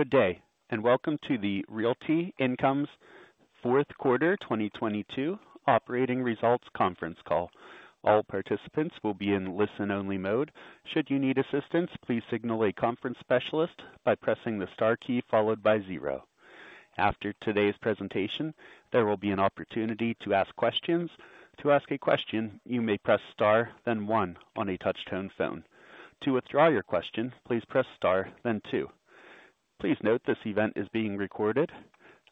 Good day, welcome to the Realty Income's fourth quarter 2022 operating results conference call. All participants will be in listen-only mode. Should you need assistance, please signal a conference specialist by pressing the Star key followed by zero. After today's presentation, there will be an opportunity to ask questions. To ask a question, you may press Star, then one on a touch-tone phone. To withdraw your question, please press Star, then two. Please note this event is being recorded.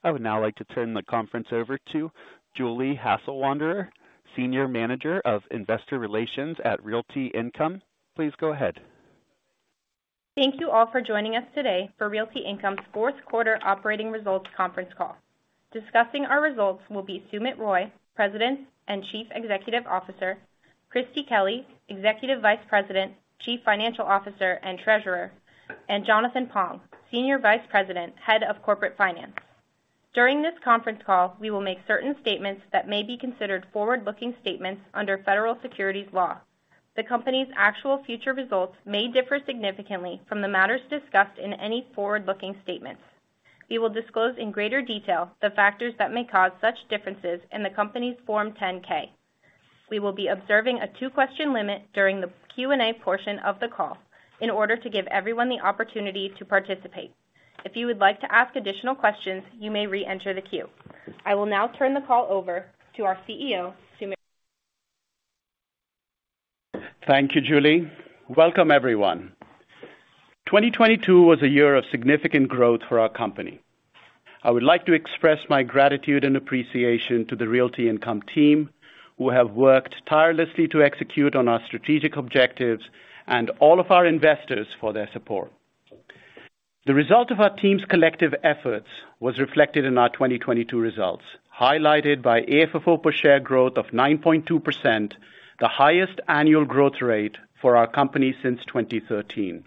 I would now like to turn the conference over to Julie Hasselwander, Senior Manager of Investor Relations at Realty Income. Please go ahead. Thank you all for joining us today for Realty Income's fourth quarter operating results conference call. Discussing our results will be Sumit Roy, President and Chief Executive Officer, Christie Kelly, Executive Vice President, Chief Financial Officer, and Treasurer, and Jonathan Pong, Senior Vice President, Head of Corporate Finance. During this conference call, we will make certain statements that may be considered forward-looking statements under federal securities law. The Company's actual future results may differ significantly from the matters discussed in any forward-looking statements. We will disclose in greater detail the factors that may cause such differences in the Company's Form 10-K. We will be observing a two-question limit during the Q&A portion of the call in order to give everyone the opportunity to participate. If you would like to ask additional questions, you may re-enter the queue. I will now turn the call over to our CEO, Sumit. Thank you, Julie. Welcome, everyone. 2022 was a year of significant growth for our company. I would like to express my gratitude and appreciation to the Realty Income team, who have worked tirelessly to execute on our strategic objectives and all of our investors for their support. The result of our team's collective efforts was reflected in our 2022 results, highlighted by AFFO per share growth of 9.2%, the highest annual growth rate for our company since 2013.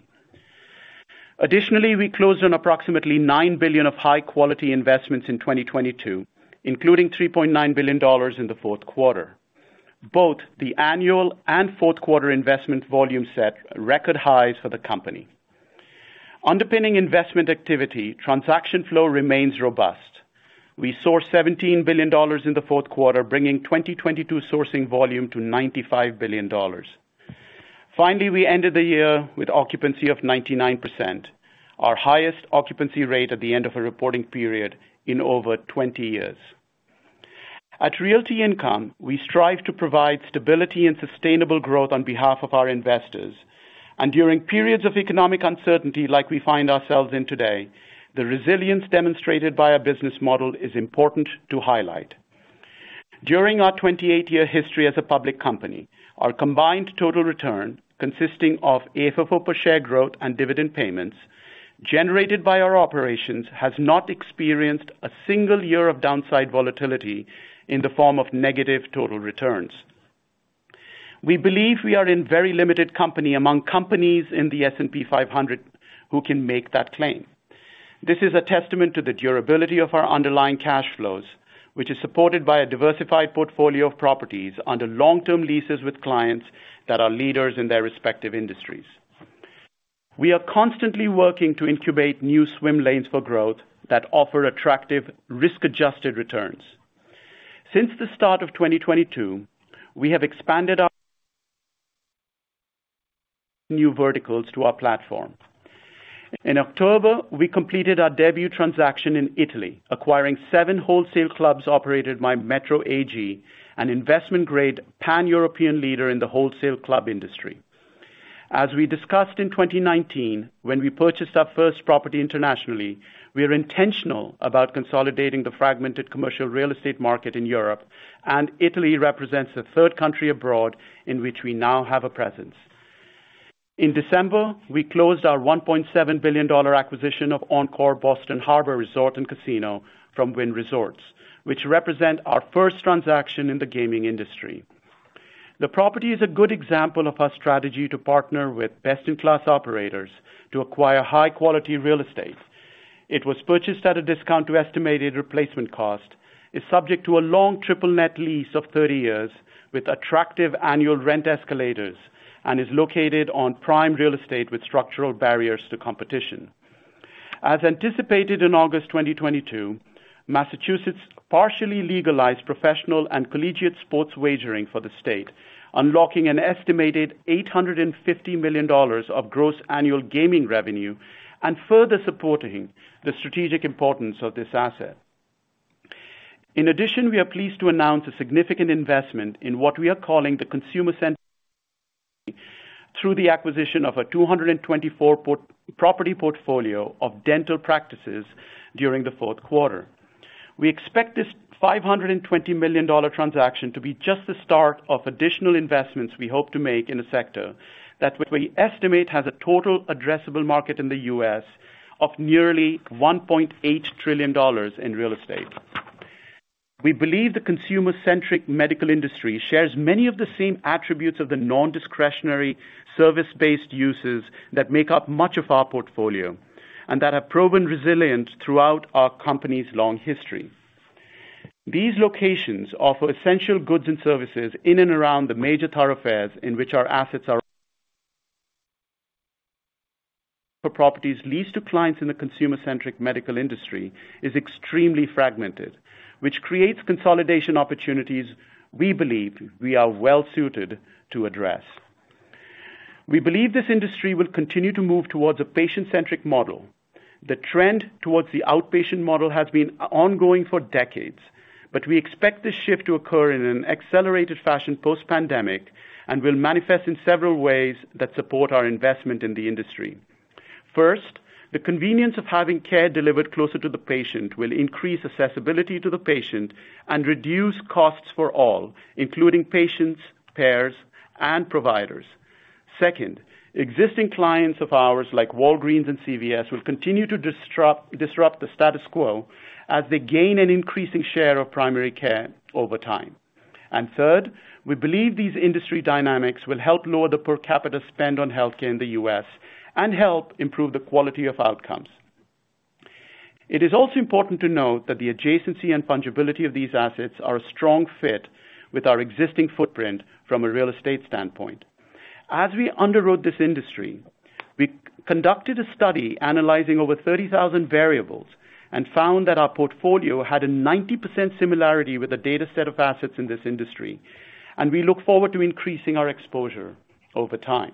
Additionally, we closed on approximately $9 billion of high-quality investments in 2022, including $3.9 billion in the fourth quarter. Both the annual and fourth-quarter investment volume set record highs for the company. Underpinning investment activity, transaction flow remains robust. We sourced $17 billion in the fourth quarter, bringing 2022 sourcing volume to $95 billion. Finally, we ended the year with occupancy of 99%, our highest occupancy rate at the end of a reporting period in over 20 years. At Realty Income, we strive to provide stability and sustainable growth on behalf of our investors. During periods of economic uncertainty, like we find ourselves in today, the resilience demonstrated by our business model is important to highlight. During our 28-year history as a public company, our combined total return, consisting of AFFO per share growth and dividend payments generated by our operations, has not experienced a single year of downside volatility in the form of negative total returns. We believe we are in very limited company among companies in the S&P 500 who can make that claim. This is a testament to the durability of our underlying cash flows, which is supported by a diversified portfolio of properties under long-term leases with clients that are leaders in their respective industries. We are constantly working to incubate new swim lanes for growth that offer attractive risk-adjusted returns. Since the start of 2022, we have expanded our new verticals to our platform. In October, we completed our debut transaction in Italy, acquiring seven wholesale clubs operated by METRO AG, an investment-grade Pan-European leader in the wholesale club industry. As we discussed in 2019 when we purchased our first property internationally, we are intentional about consolidating the fragmented commercial real estate market in Europe, and Italy represents the third country abroad in which we now have a presence. In December, we closed our $1.7 billion acquisition of Encore Boston Harbor Resort and Casino from Wynn Resorts, which represent our first transaction in the gaming industry. The property is a good example of our strategy to partner with best-in-class operators to acquire high-quality real estate. It was purchased at a discount to estimated replacement cost. It's subject to a long triple net lease of 30 years with attractive annual rent escalators and is located on prime real estate with structural barriers to competition. As anticipated in August 2022, Massachusetts partially legalized professional and collegiate sports wagering for the state, unlocking an estimated $850 million of gross annual gaming revenue and further supporting the strategic importance of this asset. In addition, we are pleased to announce a significant investment in what we are calling the consumer center through the acquisition of a 224-property portfolio of dental practices during the fourth quarter. We expect this $520 million transaction to be just the start of additional investments we hope to make in a sector that we estimate has a total addressable market in the U.S. of nearly $1.8 trillion in real estate. We believe the consumer-centric medical industry shares many of the same attributes of the non-discretionary service-based uses that make up much of our portfolio and that have proven resilient throughout our company's long history. These locations offer essential goods and services in and around the major thoroughfares in which our assets are. For properties leased to clients in the consumer-centric medical industry is extremely fragmented, which creates consolidation opportunities we believe we are well suited to address. We believe this industry will continue to move towards a patient-centric model. The trend towards the outpatient model has been ongoing for decades, but we expect this shift to occur in an accelerated fashion post-pandemic and will manifest in several ways that support our investment in the industry. First, the convenience of having care delivered closer to the patient will increase accessibility to the patient and reduce costs for all, including patients, payers, and providers. Second, existing clients of ours, like Walgreens and CVS, will continue to disrupt the status quo as they gain an increasing share of primary care over time. Third, we believe these industry dynamics will help lower the per capita spend on healthcare in the US and help improve the quality of outcomes. It is also important to note that the adjacency and fungibility of these assets are a strong fit with our existing footprint from a real estate standpoint. As we underwrote this industry, we conducted a study analyzing over 30,000 variables and found that our portfolio had a 90% similarity with the data set of assets in this industry, and we look forward to increasing our exposure over time.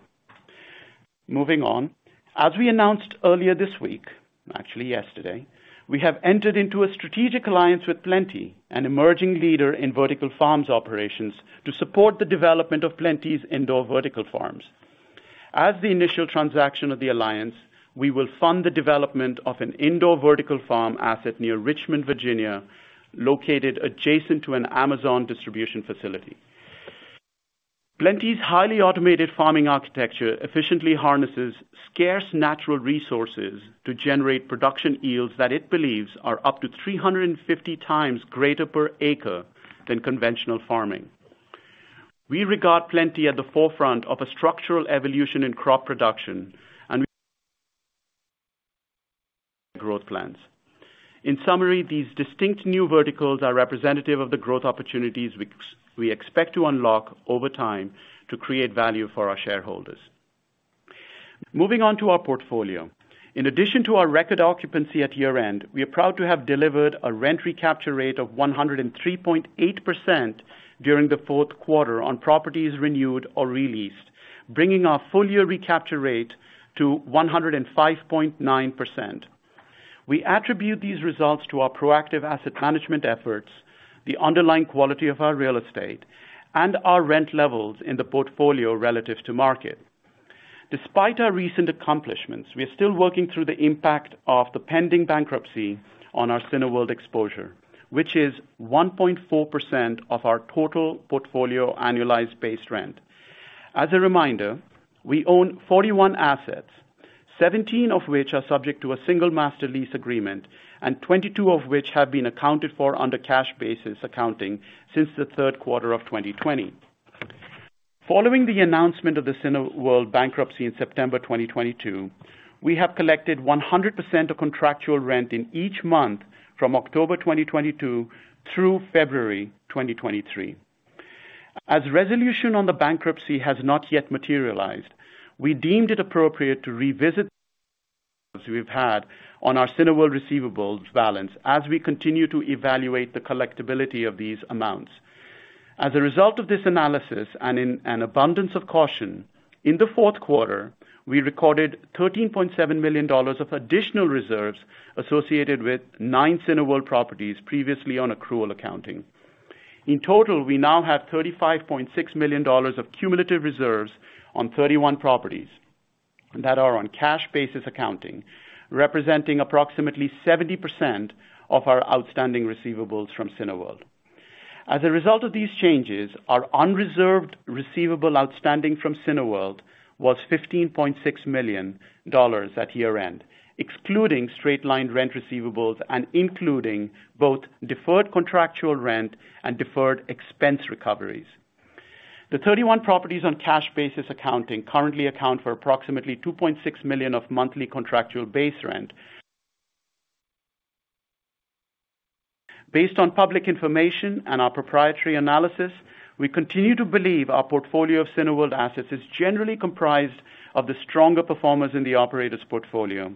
Moving on. As we announced earlier this week, actually yesterday, we have entered into a strategic alliance with Plenty, an emerging leader in vertical farms operations, to support the development of Plenty's indoor vertical farms. As the initial transaction of the alliance, we will fund the development of an indoor vertical farm asset near Richmond, Virginia, located adjacent to an Amazon distribution facility. Plenty's highly automated farming architecture efficiently harnesses scarce natural resources to generate production yields that it believes are up to 350x greater per acre than conventional farming. We regard Plenty at the forefront of a structural evolution in crop production, and growth plans. In summary, these distinct new verticals are representative of the growth opportunities we expect to unlock over time to create value for our shareholders. Moving on to our portfolio. In addition to our record occupancy at year-end, we are proud to have delivered a rent recapture rate of 103.8% during the fourth quarter on properties renewed or re-leased, bringing our full-year recapture rate to 105.9%. We attribute these results to our proactive asset management efforts, the underlying quality of our real estate, and our rent levels in the portfolio relative to market. Despite our recent accomplishments, we are still working through the impact of the pending bankruptcy on our Cineworld exposure, which is 1.4% of our total portfolio annualized base rent. As a reminder, we own 41 assets, 17 of which are subject to a single master lease agreement, and 22 of which have been accounted for under cash basis accounting since the third quarter of 2020. Following the announcement of the Cineworld bankruptcy in September 2022, we have collected 100% of contractual rent in each month from October 2022 through February 2023. As resolution on the bankruptcy has not yet materialized, we deemed it appropriate to revisit we've had on our Cineworld receivables balance as we continue to evaluate the collectibility of these amounts. As a result of this analysis and in an abundance of caution, in the fourth quarter, we recorded $13.7 million of additional reserves associated with nine Cineworld properties previously on accrual accounting. In total, we now have $35.6 million of cumulative reserves on 31 properties that are on cash basis accounting, representing approximately 70% of our outstanding receivables from Cineworld. As a result of these changes, our unreserved receivable outstanding from Cineworld was $15.6 million at year-end, excluding straight-line rent receivables and including both deferred contractual rent and deferred expense recoveries. The 31 properties on cash basis accounting currently account for approximately $2.6 million of monthly contractual base rent. Based on public information and our proprietary analysis, we continue to believe our portfolio of Cineworld assets is generally comprised of the stronger performers in the operators portfolio,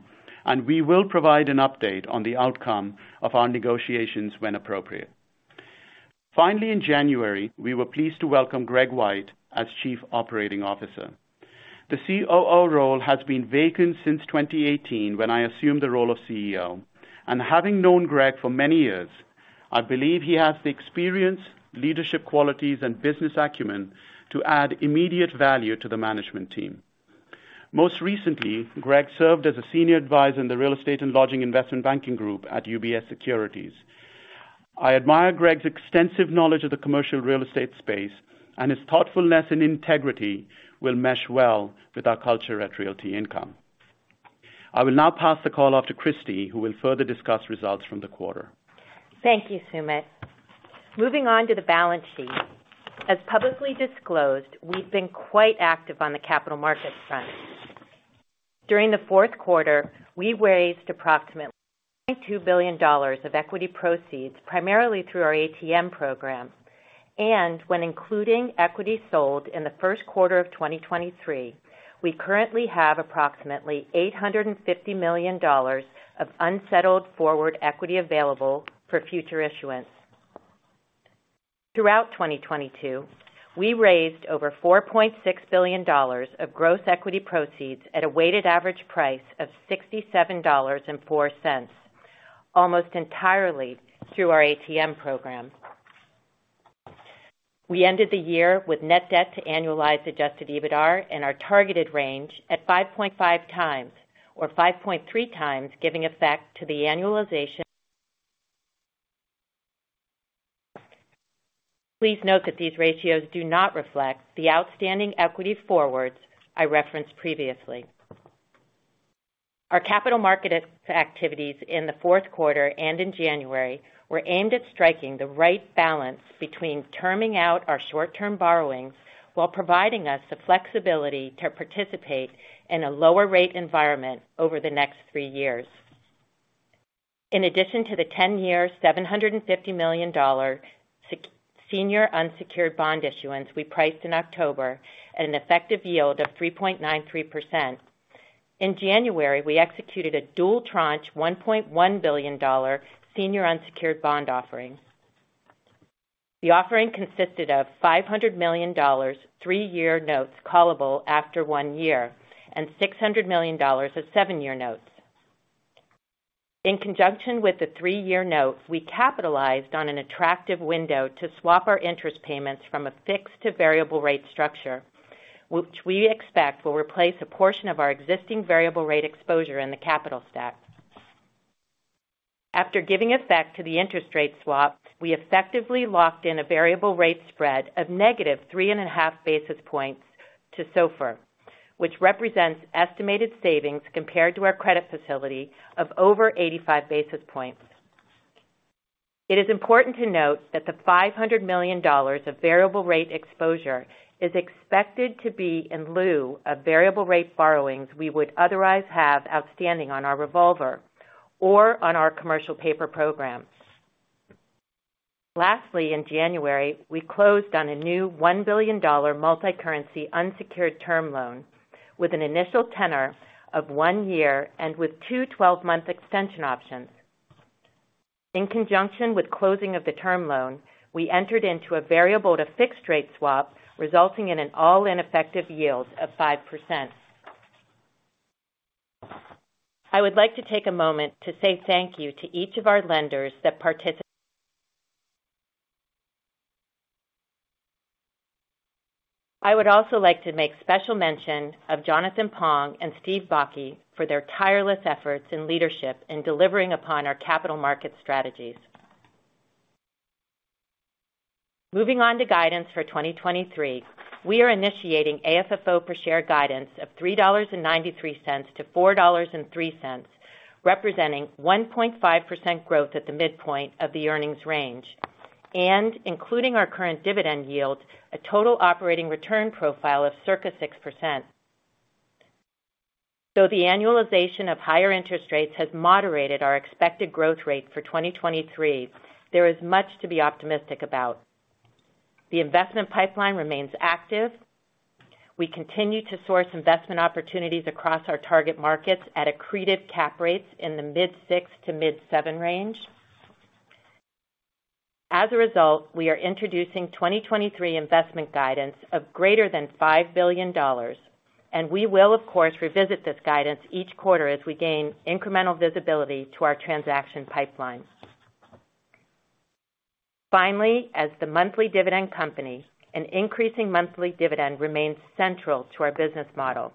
and we will provide an update on the outcome of our negotiations when appropriate. In January, we were pleased to welcome Greg White as Chief Operating Officer. The COO role has been vacant since 2018 when I assumed the role of CEO. Having known Greg for many years, I believe he has the experience, leadership qualities, and business acumen to add immediate value to the management team. Most recently, Greg served as a senior advisor in the real estate and lodging investment banking group at UBS Securities. I admire Greg's extensive knowledge of the commercial real estate space, and his thoughtfulness and integrity will mesh well with our culture at Realty Income. I will now pass the call off to Christie, who will further discuss results from the quarter. Thank you, Sumit. Moving on to the balance sheet. As publicly disclosed, we've been quite active on the capital market front. During the fourth quarter, we raised approximately $2 billion of equity proceeds, primarily through our ATM program. When including equity sold in the first quarter of 2023, we currently have approximately $850 million of unsettled forward equity available for future issuance. Throughout 2022, we raised over $4.6 billion of gross equity proceeds at a weighted average price of $67.04, almost entirely through our ATM program. We ended the year with net debt to annualized adjusted EBITDAR in our targeted range at 5.5x or 5.3x, giving effect to the annualization. Please note that these ratios do not reflect the outstanding equity forwards I referenced previously. Our capital market activities in the fourth quarter and in January were aimed at striking the right balance between terming out our short-term borrowings while providing us the flexibility to participate in a lower rate environment over the next three years. In addition to the 10-year, $750 million senior unsecured bond issuance we priced in October at an effective yield of 3.93%. In January, we executed a dual tranche, $1.1 billion senior unsecured bond offering. The offering consisted of $500 million three-year notes callable after one year and $600 million of seven-year notes. In conjunction with the three-year notes, we capitalized on an attractive window to swap our interest payments from a fixed to variable rate structure, which we expect will replace a portion of our existing variable rate exposure in the capital stack. After giving effect to the interest rate swap, we effectively locked in a variable rate spread of negative 3.5 basis points to SOFR, which represents estimated savings compared to our credit facility of over 85 basis points. It is important to note that the $500 million of variable rate exposure is expected to be in lieu of variable rate borrowings we would otherwise have outstanding on our revolver or on our commercial paper program. Lastly, in January, we closed on a new $1 billion multi-currency unsecured term loan with an initial tenor of one year and with two 12-month extension options. In conjunction with closing of the term loan, we entered into a variable to fixed rate swap, resulting in an all-in effective yield of 5%. I would like to take a moment to say thank you to each of our lenders that participate. I would also like to make special mention of Jonathan Pong and Steve Bakke for their tireless efforts and leadership in delivering upon our capital market strategies. Moving on to guidance for 2023. We are initiating AFFO per share guidance of $3.93-$4.03, representing 1.5% growth at the midpoint of the earnings range. Including our current dividend yield, a total operating return profile of circa 6%. Though the annualization of higher interest rates has moderated our expected growth rate for 2023, there is much to be optimistic about. The investment pipeline remains active. We continue to source investment opportunities across our target markets at accretive cap rates in the mid six to mid seven range. As a result, we are introducing 2023 investment guidance of greater than $5 billion. We will of course revisit this guidance each quarter as we gain incremental visibility to our transaction pipeline. Finally, as the monthly dividend company, an increasing monthly dividend remains central to our business model.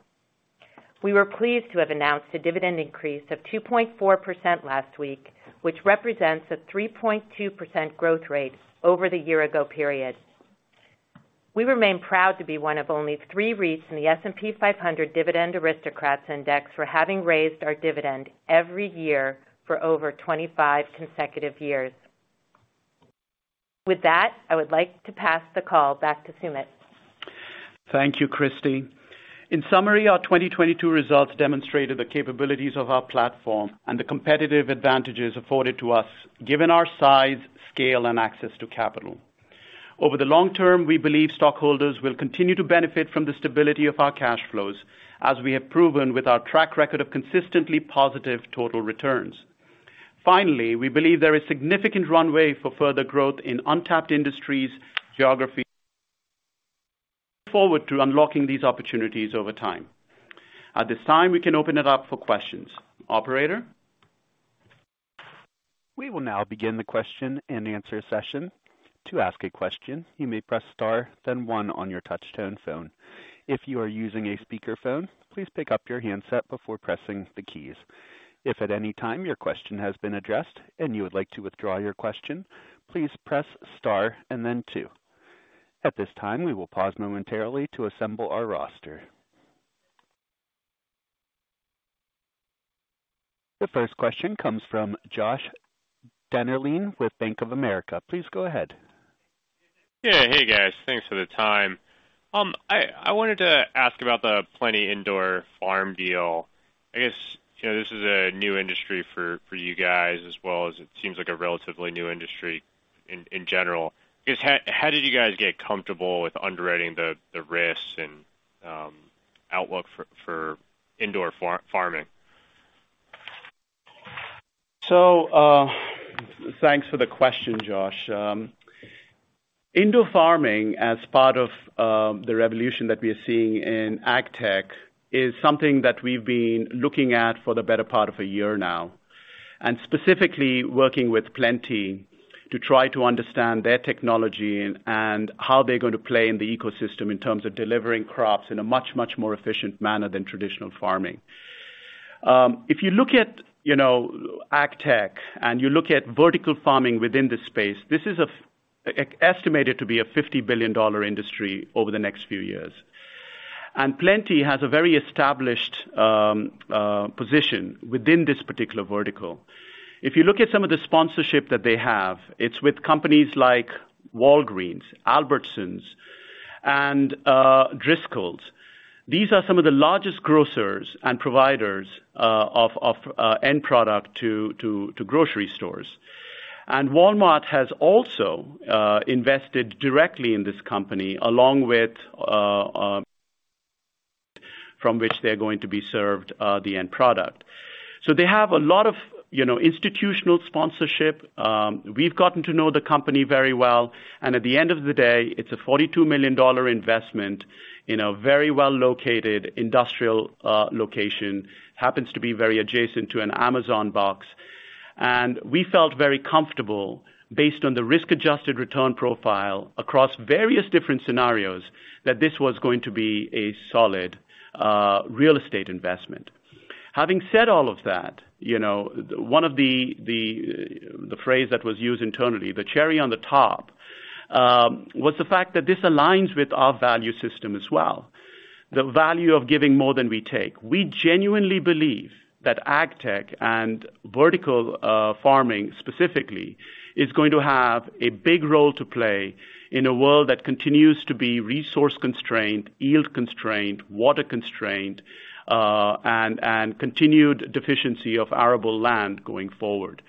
We were pleased to have announced a dividend increase of 2.4% last week, which represents a 3.2% growth rate over the year ago period. We remain proud to be one of only three REITs in the S&P 500 Dividend Aristocrats Index for having raised our dividend every year for over 25 consecutive years. With that, I would like to pass the call back to Sumit. Thank you, Christie. In summary, our 2022 results demonstrated the capabilities of our platform and the competitive advantages afforded to us, given our size, scale, and access to capital. Over the long term, we believe stockholders will continue to benefit from the stability of our cash flows as we have proven with our track record of consistently positive total returns. We believe there is significant runway for further growth in untapped industries, geographies. Forward to unlocking these opportunities over time. At this time, we can open it up for questions. Operator? We will now begin the question-and-answer session. To ask a question, you may press star then one on your touchtone phone. If you are using a speakerphone, please pick up your handset before pressing the keys. If at any time your question has been addressed and you would like to withdraw your question, please press star and then two. At this time, we will pause momentarily to assemble our roster. The first question comes from Josh Dennerlein with Bank of America. Please go ahead. Yeah. Hey, guys. Thanks for the time. I wanted to ask about the Plenty indoor farm deal. I guess, you know, this is a new industry for you guys as well as it seems like a relatively new industry in general. I guess, how did you guys get comfortable with underwriting the risks and outlook for indoor farming? Thanks for the question, Josh. Indoor farming as part of the revolution that we are seeing in agtech is something that we've been looking at for the better part of a year now, and specifically working with Plenty to try to understand their technology and how they're gonna play in the ecosystem in terms of delivering crops in a much, much more efficient manner than traditional farming. If you look at, you know, agtech and you look at vertical farming within the space, this is estimated to be a $50 billion industry over the next few years. Plenty has a very established position within this particular vertical. If you look at some of the sponsorship that they have, it's with companies like Walgreens, Albertsons, and Driscoll's. These are some of the largest grocers and providers of end product to grocery stores. Walmart has also invested directly in this company, along with from which they're going to be served the end product. They have a lot of, you know, institutional sponsorship. We've gotten to know the company very well. At the end of the day, it's a $42 million investment in a very well located industrial location. Happens to be very adjacent to an Amazon box. We felt very comfortable based on the risk-adjusted return profile across various different scenarios, that this was going to be a solid real estate investment. Having said all of that, you know, one of the phrase that was used internally, the cherry on the top, was the fact that this aligns with our value system as well. The value of giving more than we take. We genuinely believe that agtech and vertical farming specifically, is going to have a big role to play in a world that continues to be resource-constrained, yield-constrained, water-constrained, and continued deficiency of arable land going forward.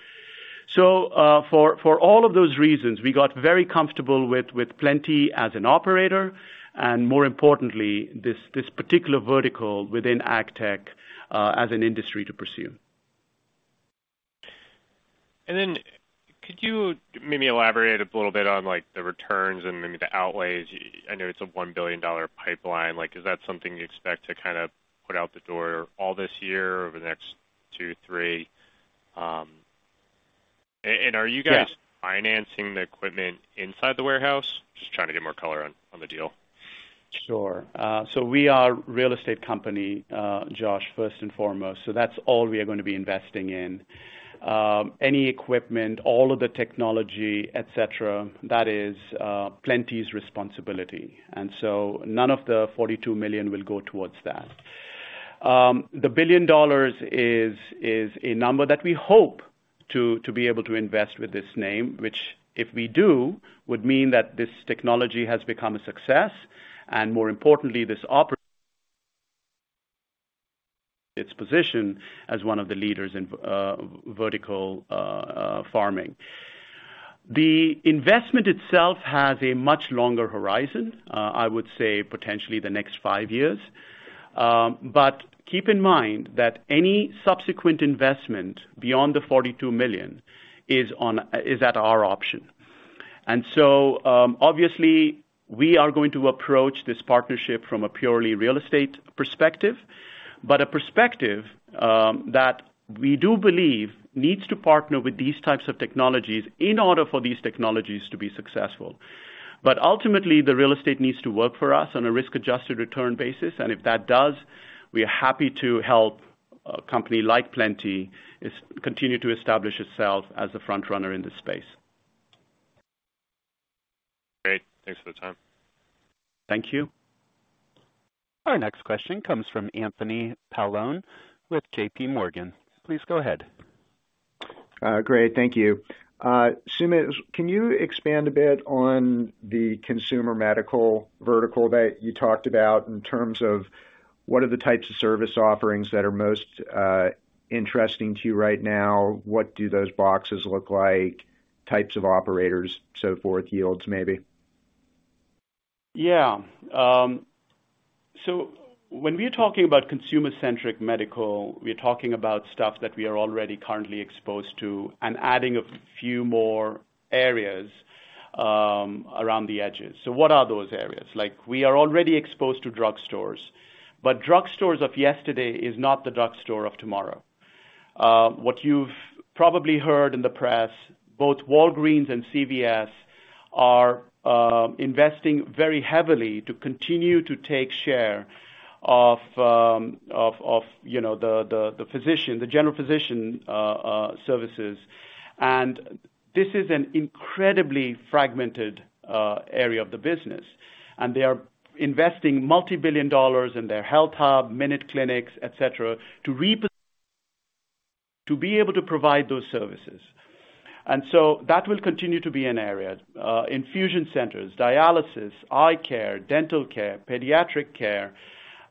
So, for all of those reasons, we got very comfortable with Plenty as an operator, and more importantly, this particular vertical within agtech as an industry to pursue. Could you maybe elaborate a little bit on, like, the returns and maybe the outlays? I know it's a $1 billion pipeline. Like, is that something you expect to kinda put out the door all this year or over the next two, three? Are you guys financing the equipment inside the warehouse? Just trying to get more color on the deal. Sure. We are real estate company, Josh, first and foremost. That's all we are gonna be investing in. Any equipment, all of the technology, et cetera, that is Plenty's responsibility. None of the $42 million will go towards that. The $1 billion is a number that we hope to be able to invest with this name, which if we do, would mean that this technology has become a success, and more importantly, its position as one of the leaders in vertical farming. The investment itself has a much longer horizon. I would say potentially the next five years. Keep in mind that any subsequent investment beyond the $42 million is at our option. Obviously we are going to approach this partnership from a purely real estate perspective, but a perspective, that we do believe needs to partner with these types of technologies in order for these technologies to be successful. But ultimately, the real estate needs to work for us on a risk-adjusted return basis. And if that does, we are happy to help a company like Plenty continue to establish itself as a front runner in this space. Great. Thanks for the time. Thank you. Our next question comes from Anthony Paolone with JPMorgan Chase & Co. Please go ahead. Great. Thank you. Sumit, can you expand a bit on the consumer medical vertical that you talked about in terms of what are the types of service offerings that are most interesting to you right now? What do those boxes look like? Types of operators, so forth, yields maybe? When we are talking about consumer-centric medical, we are talking about stuff that we are already currently exposed to and adding a few more areas around the edges. What are those areas? Like, we are already exposed to drugstores. Drugstores of yesterday is not the drugstore of tomorrow. What you've probably heard in the press, both Walgreens and CVS are investing very heavily to continue to take share of, you know, the physician, the general physician services. This is an incredibly fragmented area of the business. They are investing multi-billion dollars in their HealthHUB, MinuteClinics, et cetera, to be able to provide those services. That will continue to be an area. Infusion centers, dialysis, eye care, dental care, pediatric care,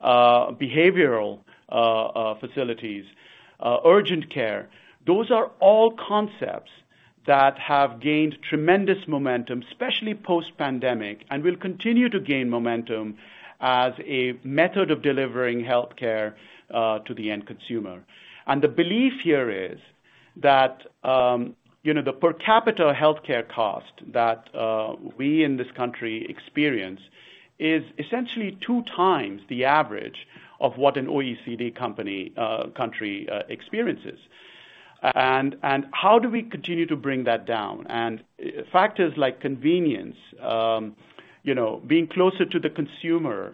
behavioral facilities, urgent care. Those are all concepts that have gained tremendous momentum, especially post-pandemic, and will continue to gain momentum as a method of delivering healthcare to the end consumer. The belief here is that, you know, the per capita healthcare cost that we in this country experience is essentially 2x the average of what an OECD company... country experiences. How do we continue to bring that down? Factors like convenience, you know, being closer to the consumer,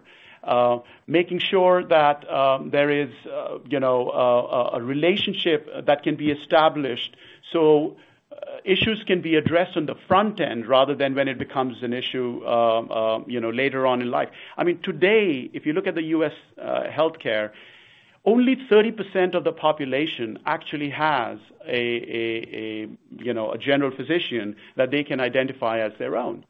making sure that there is, you know, a relationship that can be established, so issues can be addressed on the front end rather than when it becomes an issue, you know, later on in life. I mean, today, if you look at the U.S. healthcare, only 30% of the population actually has a, you know, a general physician that they can identify as their own.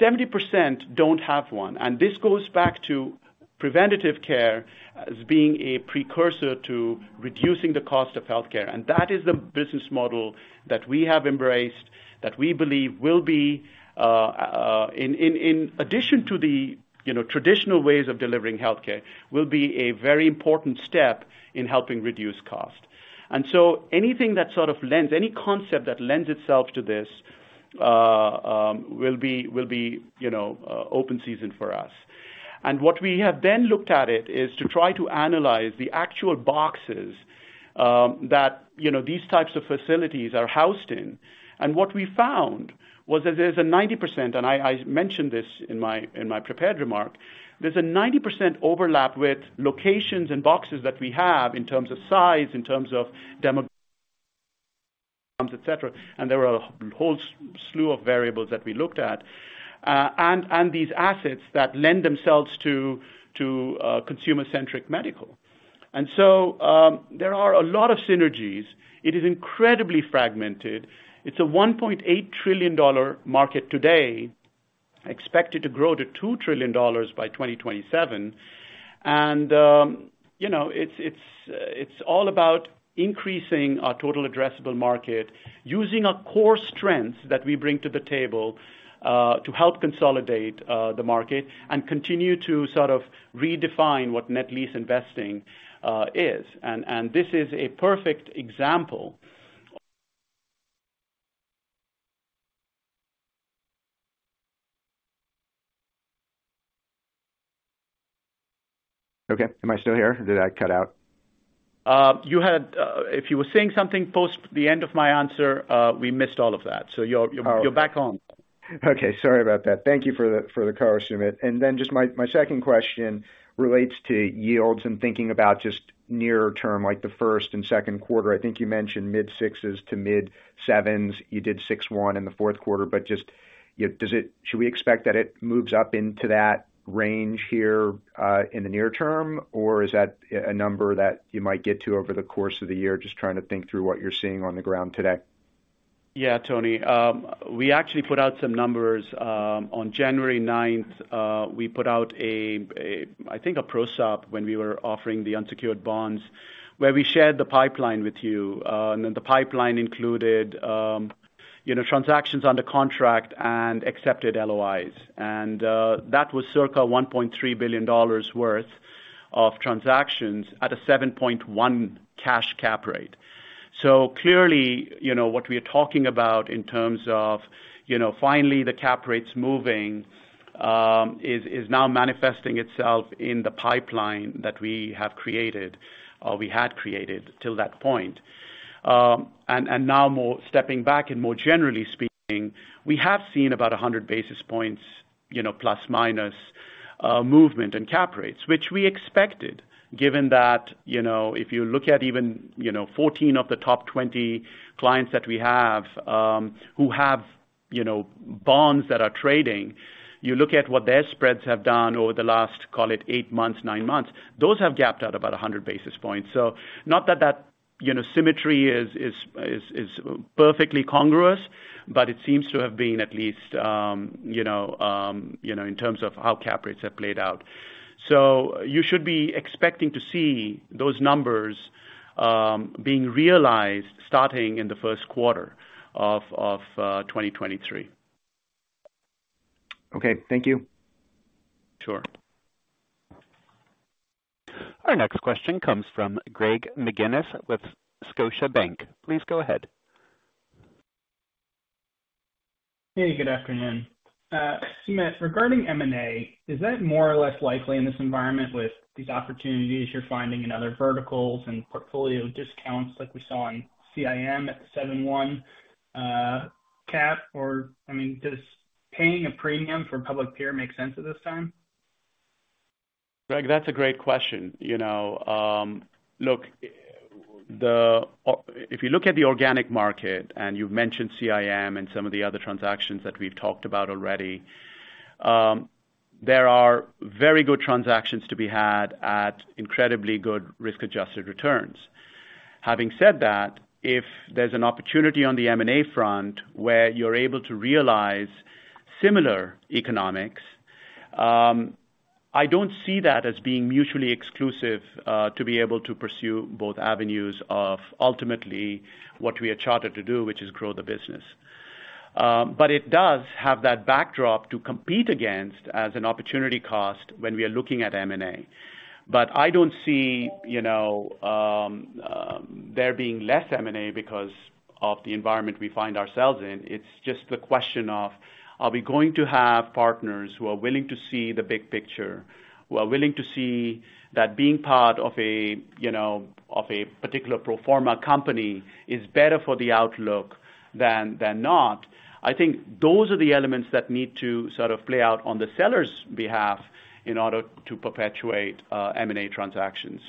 70% don't have one. This goes back to preventative care as being a precursor to reducing the cost of healthcare. That is the business model that we have embraced, that we believe will be in addition to the, you know, traditional ways of delivering healthcare, will be a very important step in helping reduce cost. Anything that sort of any concept that lends itself to this will be, you know, open season for us. What we have then looked at it is to try to analyze the actual boxes that, you know, these types of facilities are housed in. What we found was that there's a 90%, I mentioned this in my prepared remark. There's a 90% overlap with locations and boxes that we have in terms of size, in terms of et cetera. There were a whole slew of variables that we looked at, and these assets that lend themselves to consumer-centric medical. There are a lot of synergies. It is incredibly fragmented. It's a $1.8 trillion market today, expected to grow to $2 trillion by 2027. You know, it's all about increasing our total addressable market using our core strengths that we bring to the table to help consolidate the market and continue to sort of redefine what net lease investing is. This is a perfect example. Am I still here? Did I cut out? If you were saying something post the end of my answer, we missed all of that. You're back on. Okay. Sorry about that. Thank you for the color Sumit. Just my second question relates to yields and thinking about just nearer term, like the first and second quarter. I think you mentioned mid-sixes to mid-sevens. You did 6.1% in the fourth quarter. Just, you know, should we expect that it moves up into that range here in the near term? Is that a number that you might get to over the course of the year? Just trying to think through what you're seeing on the ground today. Yeah, Tony. We actually put out some numbers on January 9th. We put out a prospectus when we were offering the unsecured bonds, where we shared the pipeline with you. The pipeline included, you know, transactions under contract and accepted LOIs. That was circa $1.3 billion worth of transactions at a 7.1% cash cap rate. Clearly, you know, what we are talking about in terms of, you know, finally the cap rates moving, is now manifesting itself in the pipeline that we have created, or we had created till that point. Stepping back and more generally speaking, we have seen about 100 basis points, you know, plus, minus, movement in cap rates. Which we expected, given that, you know, if you look at even, you know, 14 of the top 20 clients that we have, who have, you know, bonds that are trading. You look at what their spreads have done over the last, call it eight months, nine months, those have gapped out about 100 basis points. Not that that, you know, symmetry is perfectly congruous, but it seems to have been at least, you know, in terms of how cap rates have played out. You should be expecting to see those numbers being realized starting in the first quarter of 2023. Okay. Thank you. Sure. Our next question comes from Greg McGinniss with Scotiabank. Please go ahead. Hey, good afternoon. Sumit, regarding M&A, is that more or less likely in this environment with these opportunities you're finding in other verticals and portfolio discounts like we saw in CIM at 7.1% cap? I mean, does paying a premium for public peer make sense at this time? Greg, that's a great question. You know, look, if you look at the organic market, and you've mentioned CIM and some of the other transactions that we've talked about already, there are very good transactions to be had at incredibly good risk-adjusted returns. Having said that, if there's an opportunity on the M&A front where you're able to realize similar economics, I don't see that as being mutually exclusive, to be able to pursue both avenues of ultimately what we are chartered to do, which is grow the business. It does have that backdrop to compete against as an opportunity cost when we are looking at M&A. I don't see, you know, there being less M&A because of the environment we find ourselves in. It's just the question of, are we going to have partners who are willing to see the big picture, who are willing to see that being part of a, you know, of a particular pro forma company is better for the outlook than not. I think those are the elements that need to sort of play out on the seller's behalf in order to perpetuate M&A transactions.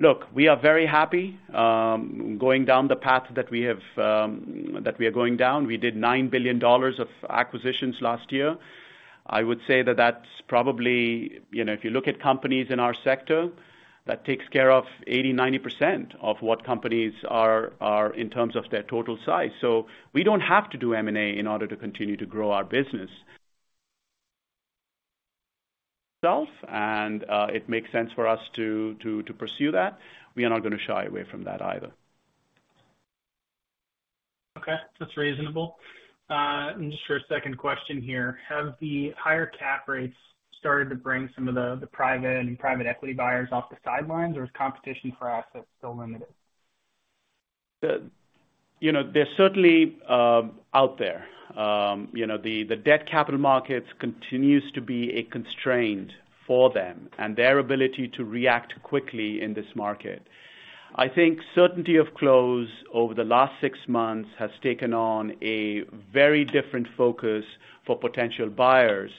Look, we are very happy going down the path that we have that we are going down. We did $9 billion of acquisitions last year. I would say that that's probably, you know, if you look at companies in our sector, that takes care of 80%, 90% of what companies are in terms of their total size. We don't have to do M&A in order to continue to grow our business. Self, it makes sense for us to pursue that. We are not gonna shy away from that either. Okay, that's reasonable. Just for a second question here, have the higher cap rates started to bring some of the private and private equity buyers off the sidelines, or is competition for assets still limited? You know, they're certainly out there. You know, the debt capital markets continues to be a constraint for them and their ability to react quickly in this market. I think certainty of close over the last six months has taken on a very different focus for potential buyers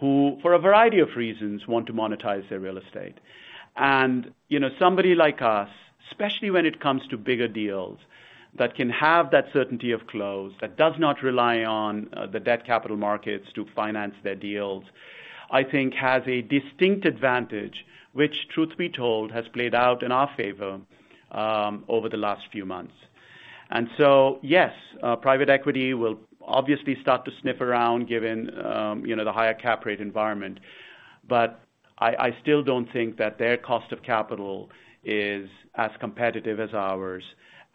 who, for a variety of reasons, want to monetize their real estate. You know, somebody like us, especially when it comes to bigger deals that can have that certainty of close, that does not rely on the debt capital markets to finance their deals, I think has a distinct advantage, which, truth be told, has played out in our favor over the last few months. Yes, private equity will obviously start to sniff around given, you know, the higher cap rate environment. I still don't think that their cost of capital is as competitive as ours,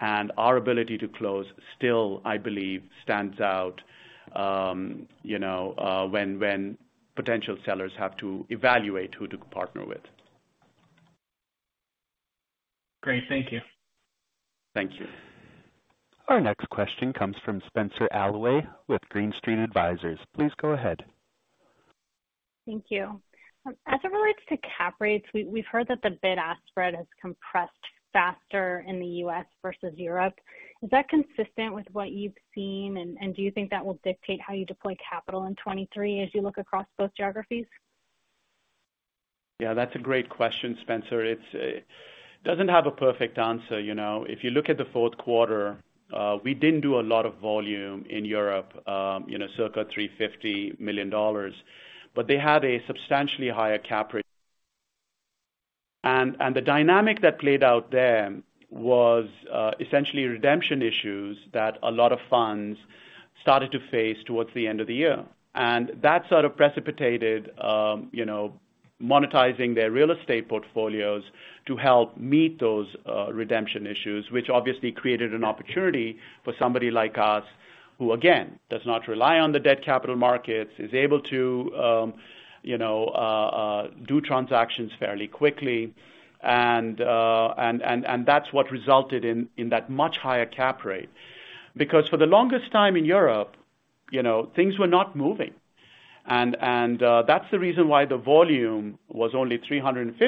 and our ability to close still, I believe, stands out, you know, when potential sellers have to evaluate who to partner with. Great. Thank you. Thank you. Our next question comes from Spenser Allaway with Green Street Advisors. Please go ahead. Thank you. As it relates to cap rates, we've heard that the bid-ask spread has compressed faster in the U.S. versus Europe. Is that consistent with what you've seen, and do you think that will dictate how you deploy capital in 2023 as you look across both geographies? Yeah, that's a great question, Spenser. It's, doesn't have a perfect answer, you know. If you look at the fourth quarter, we didn't do a lot of volume in Europe, you know, circa $350 million, but they had a substantially higher cap rate. The dynamic that played out there was essentially redemption issues that a lot of funds started to face towards the end of the year. That sort of precipitated, you know, monetizing their real estate portfolios to help meet those redemption issues, which obviously created an opportunity for somebody like us, who, again, does not rely on the debt capital markets, is able to, you know, do transactions fairly quickly and that's what resulted in that much higher cap rate. For the longest time in Europe, you know, things were not moving. That's the reason why the volume was only $350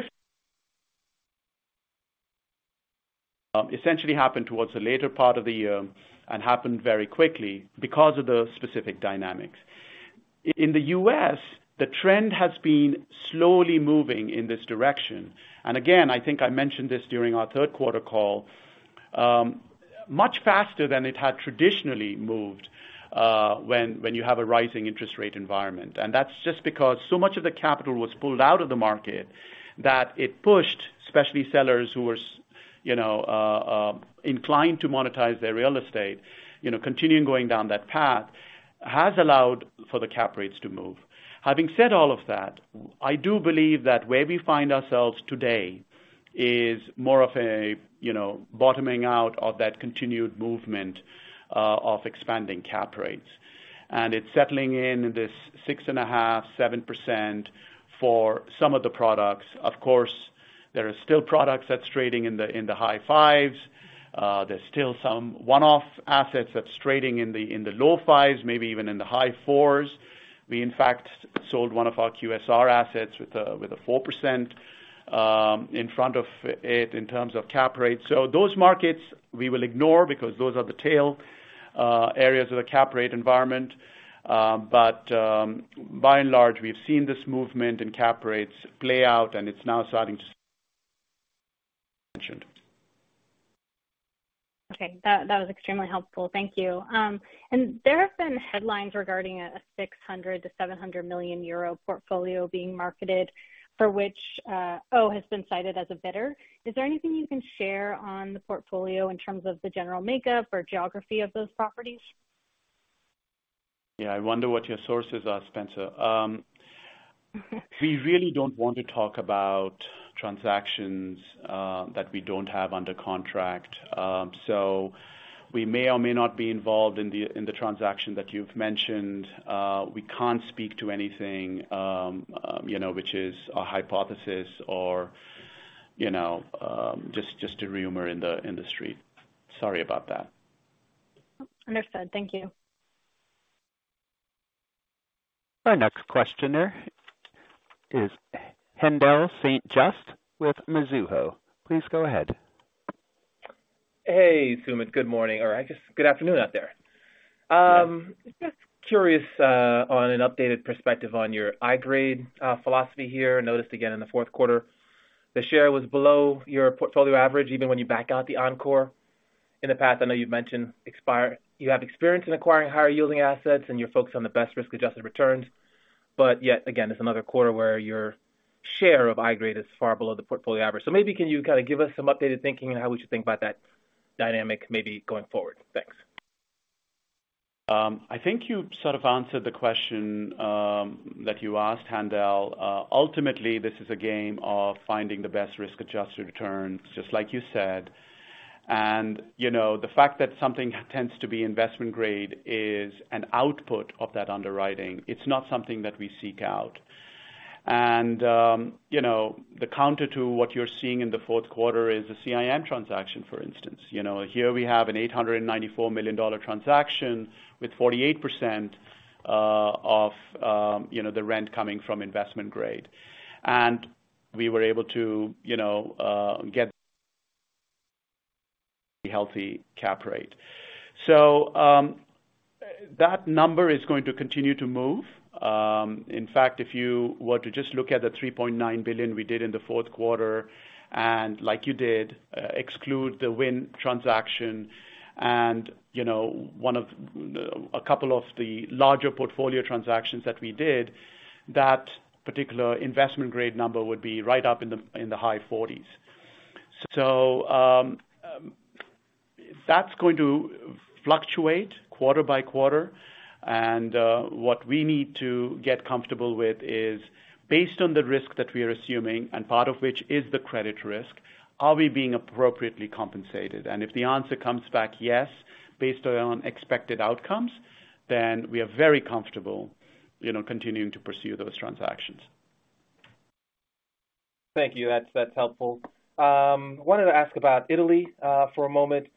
million. Essentially happened towards the later part of the year and happened very quickly because of the specific dynamics. In the U.S., the trend has been slowly moving in this direction. Again, I think I mentioned this during our third quarter call, much faster than it had traditionally moved, when you have a rising interest rate environment. That's just because so much of the capital was pulled out of the market that it pushed, especially sellers who were, you know, inclined to monetize their real estate, you know, continuing going down that path, has allowed for the cap rates to move. Having said all of that, I do believe that where we find ourselves today is more of a, you know, bottoming out of that continued movement of expanding cap rates. It's settling in this 6.5%, 7% for some of the products. Of course, there are still products that's trading in the high 5s. There's still some one-off assets that's trading in the low fives, maybe even in the high fours. We, in fact, sold one of our QSR assets with a 4% in front of it in terms of cap rate. Those markets we will ignore because those are the tail areas of the cap rate environment. By and large, we've seen this movement in cap rates play out, and it's now starting to. Okay. That was extremely helpful. Thank you. There have been headlines regarding a 600 million-700 million euro portfolio being marketed for which O has been cited as a bidder. Is there anything you can share on the portfolio in terms of the general makeup or geography of those properties? Yeah. I wonder what your sources are, Spenser. We really don't want to talk about transactions that we don't have under contract. We may or may not be involved in the transaction that you've mentioned. We can't speak to anything, you know, which is a hypothesis or, you know, just a rumor in the industry. Sorry about that. Understood. Thank you. Our next questioner is Haendel St. Juste with Mizuho. Please go ahead. Hey, Sumit. Good morning. I guess good afternoon out there. Just curious on an updated perspective on your investment grade philosophy here. Noticed again in the fourth quarter, the share was below your portfolio average even when you back out the Encore. In the past, I know you've mentioned expire. You have experience in acquiring higher yielding assets and you're focused on the best risk-adjusted returns. Yet again, it's another quarter where your share of investment grade is far below the portfolio average. Maybe can you kinda give us some updated thinking on how we should think about that dynamic maybe going forward? Thanks. I think you sort of answered the question that you asked, Hendel. Ultimately, this is a game of finding the best risk-adjusted returns, just like you said. You know, the fact that something tends to be investment grade is an output of that underwriting. It's not something that we seek out. You know, the counter to what you're seeing in the fourth quarter is the CIM transaction, for instance. You know, here we have an $894 million transaction with 48% of, you know, the rent coming from investment grade. We were able to, you know, get healthy cap rate. That number is going to continue to move. In fact, if you were to just look at the $3.9 billion we did in the fourth quarter, and like you did, exclude the Wynn transaction and, you know, A couple of the larger portfolio transactions that we did, that particular investment grade number would be right up in the, in the high 40s. That's going to fluctuate quarter by quarter. What we need to get comfortable with is based on the risk that we are assuming, and part of which is the credit risk, are we being appropriately compensated? If the answer comes back yes, based on expected outcomes, then we are very comfortable, you know, continuing to pursue those transactions. Thank you. That's helpful. Wanted to ask about Italy for a moment.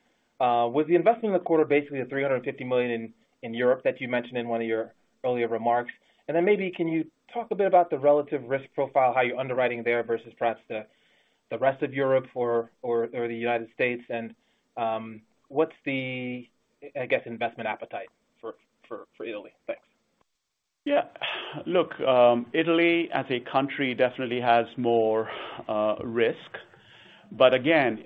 With the investment in the quarter, basically the $350 million in Europe that you mentioned in one of your earlier remarks, then maybe can you talk a bit about the relative risk profile, how you're underwriting there versus perhaps the rest of Europe or the United States? What's the, I guess, investment appetite for Italy? Thanks. Yeah. Look, Italy as a country definitely has more risk. Again,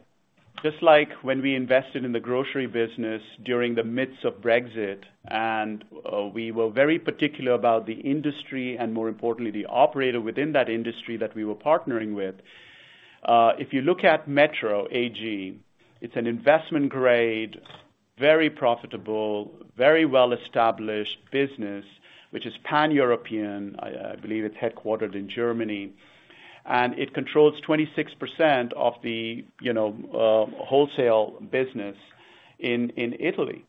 just like when we invested in the grocery business during the midst of Brexit, we were very particular about the industry and more importantly, the operator within that industry that we were partnering with. If you look at METRO AG, it's an investment grade, very profitable, very well-established business, which is Pan-European. I believe it's headquartered in Germany, it controls 26% of the, you know, wholesale business in Italy.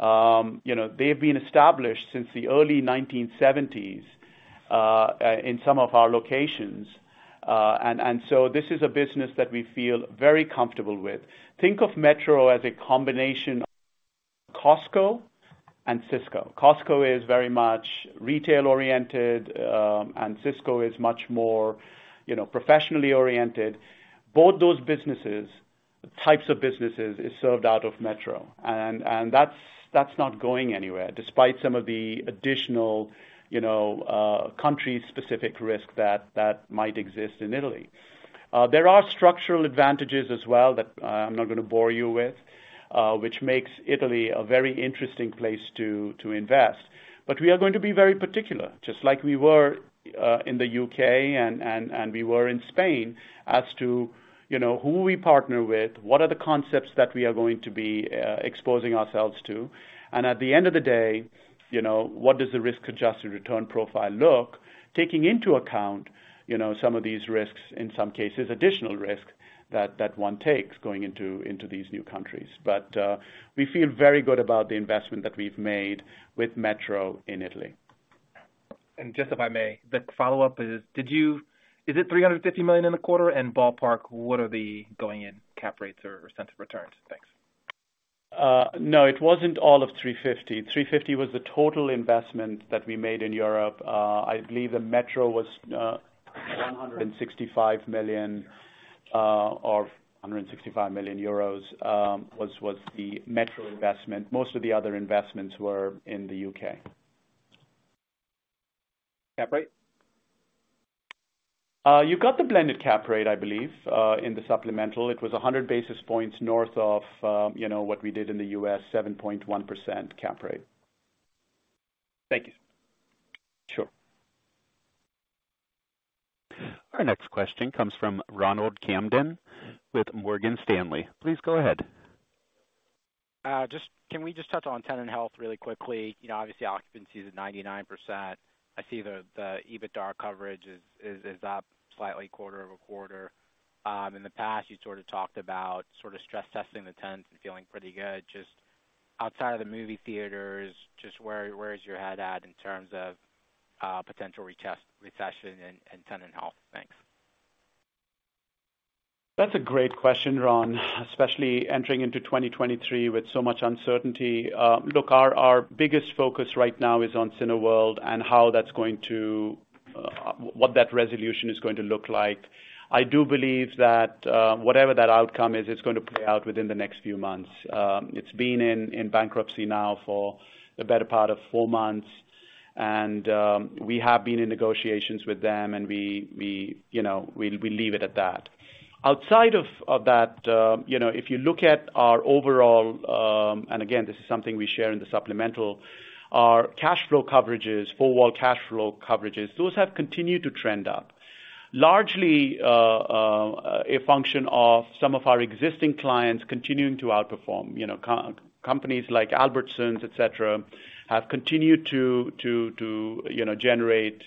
You know, they've been established since the early 1970s in some of our locations. This is a business that we feel very comfortable with. Think of METRO AG as a combination of Costco and Sysco. Costco is very much retail-oriented, Sysco is much more, you know, professionally-oriented. Both those types of businesses is served out of METRO AG, and that's not going anywhere, despite some of the additional, you know, country-specific risk that might exist in Italy. There are structural advantages as well that I'm not gonna bore you with, which makes Italy a very interesting place to invest. We are going to be very particular, just like we were in the U.K. and we were in Spain as to, you know, who we partner with, what are the concepts that we are going to be exposing ourselves to. At the end of the day, you know, what does the risk-adjusted return profile look, taking into account, you know, some of these risks, in some cases, additional risk that one takes going into these new countries. We feel very good about the investment that we've made with METRO AG in Italy. Just if I may, the follow-up is it $350 million in the quarter? Ballpark, what are the going-in cap rates or sense of returns? Thanks. No, it wasn't all of $350 million. $350 million was the total investment that we made in Europe. I believe the METRO AG was 165 million, or 165 million euros, was the METRO AG investment. Most of the other investments were in the U.K. Cap rate? You got the blended cap rate, I believe, in the supplemental. It was 100 basis points north of, you know, what we did in the U.S., 7.1% cap rate. Thank you. Sure. Our next question comes from Ronald Kamdem with Morgan Stanley. Please go ahead. Can we just touch on tenant health really quickly? You know, obviously occupancy is at 99%. I see the EBITDA coverage is up slightly quarter-over-quarter. In the past, you sort of talked about sort of stress testing the tenants and feeling pretty good. Just outside of the movie theaters, just where is your head at in terms of potential recession and tenant health? Thanks. That's a great question, Ron, especially entering into 2023 with so much uncertainty. Look, our biggest focus right now is on Cineworld and what that resolution is going to look like. I do believe that whatever that outcome is, it's gonna play out within the next few months. It's been in bankruptcy now for the better part of four months. We have been in negotiations with them, and we, you know, we leave it at that. Outside of that, you know, if you look at our overall and again, this is something we share in the supplemental. Our cash flow coverages, four-wall cash flow coverages, those have continued to trend up. Largely a function of some of our existing clients continuing to outperform. You know, companies like Albertsons, et cetera, have continued to, you know, generate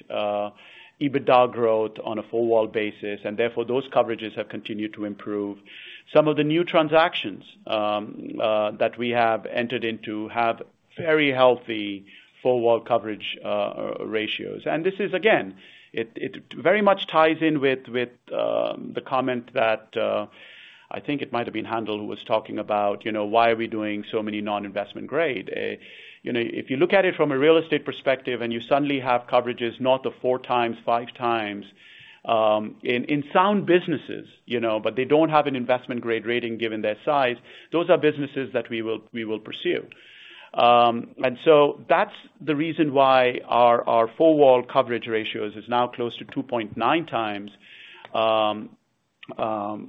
EBITDA growth on a four-wall basis, and therefore, those coverages have continued to improve. Some of the new transactions that we have entered into have very healthy four-wall coverage ratios. This is again, it very much ties in with the comment that I think it might have been Handel who was talking about, you know, why are we doing so many non-investment-grade? You know, if you look at it from a real estate perspective, and you suddenly have coverages north of 4x, 5x in sound businesses, you know, but they don't have an investment-grade rating given their size, those are businesses that we will pursue. That's the reason why our four-wall coverage ratios is now close to 2.9x.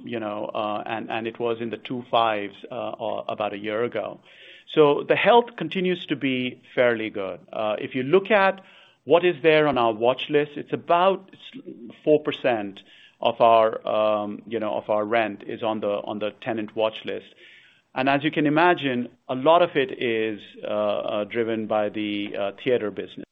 You know, it was in the 2.5s about a year ago. The health continues to be fairly good. If you look at what is there on our watch list, it's about 4% of our, you know, of our rent is on the tenant watch list. As you can imagine, a lot of it is driven by the theater business.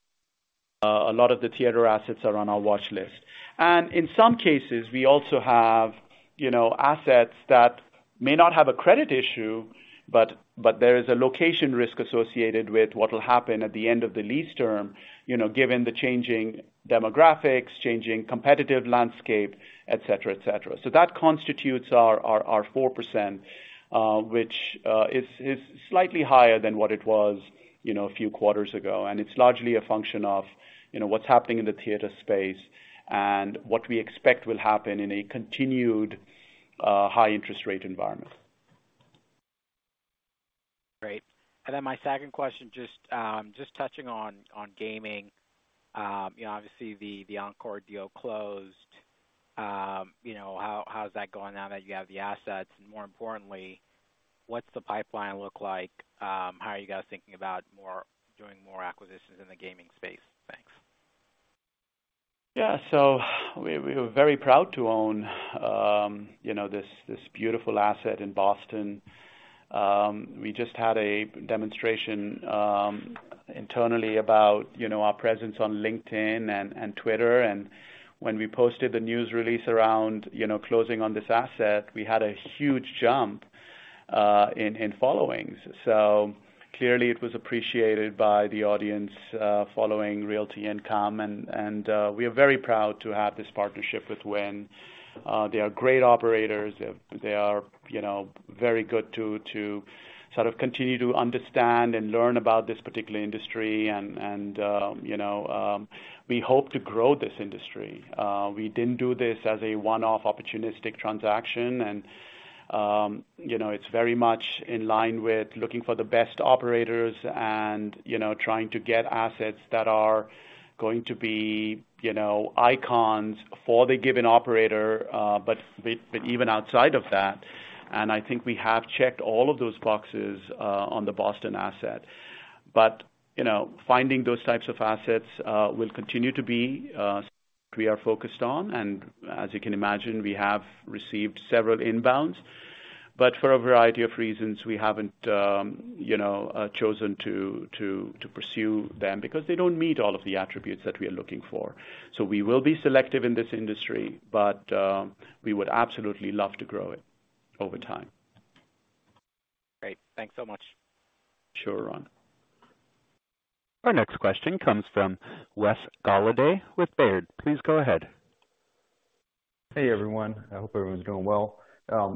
A lot of the theater assets are on our watch list. In some cases, we also have, you know, assets that may not have a credit issue, but there is a location risk associated with what will happen at the end of the lease term, you know, given the changing demographics, changing competitive landscape, et cetera, et cetera. That constitutes our 4%, which is slightly higher than what it was, you know, a few quarters ago. It's largely a function of, you know, what's happening in the theater space and what we expect will happen in a continued high interest rate environment. Great. My second question, just touching on gaming. You know, obviously the Encore deal closed. You know, how is that going now that you have the assets? More importantly, what's the pipeline look like? How are you guys thinking about doing more acquisitions in the gaming space? Thanks. Yeah. We were very proud to own, you know, this beautiful asset in Boston. We just had a demonstration internally about, you know, our presence on LinkedIn and Twitter. When we posted the news release around, you know, closing on this asset, we had a huge jump in followings. Clearly it was appreciated by the audience following Realty Income. We are very proud to have this partnership with Wynn. They are great operators. They are, you know, very good to sort of continue to understand and learn about this particular industry and, you know, we hope to grow this industry. We didn't do this as a one-off opportunistic transaction. you know, it's very much in line with looking for the best operators and, you know, trying to get assets that are going to be, you know, icons for the given operator, even outside of that, I think we have checked all of those boxes on the Boston asset. you know, finding those types of assets will continue to be we are focused on, and as you can imagine, we have received several inbounds. For a variety of reasons, we haven't, you know, chosen to pursue them because they don't meet all of the attributes that we are looking for. We will be selective in this industry, but we would absolutely love to grow it over time. Great. Thanks so much. Sure, Ron. Our next question comes from Wesley Golladay with Baird. Please go ahead. Hey, everyone. I hope everyone's doing well.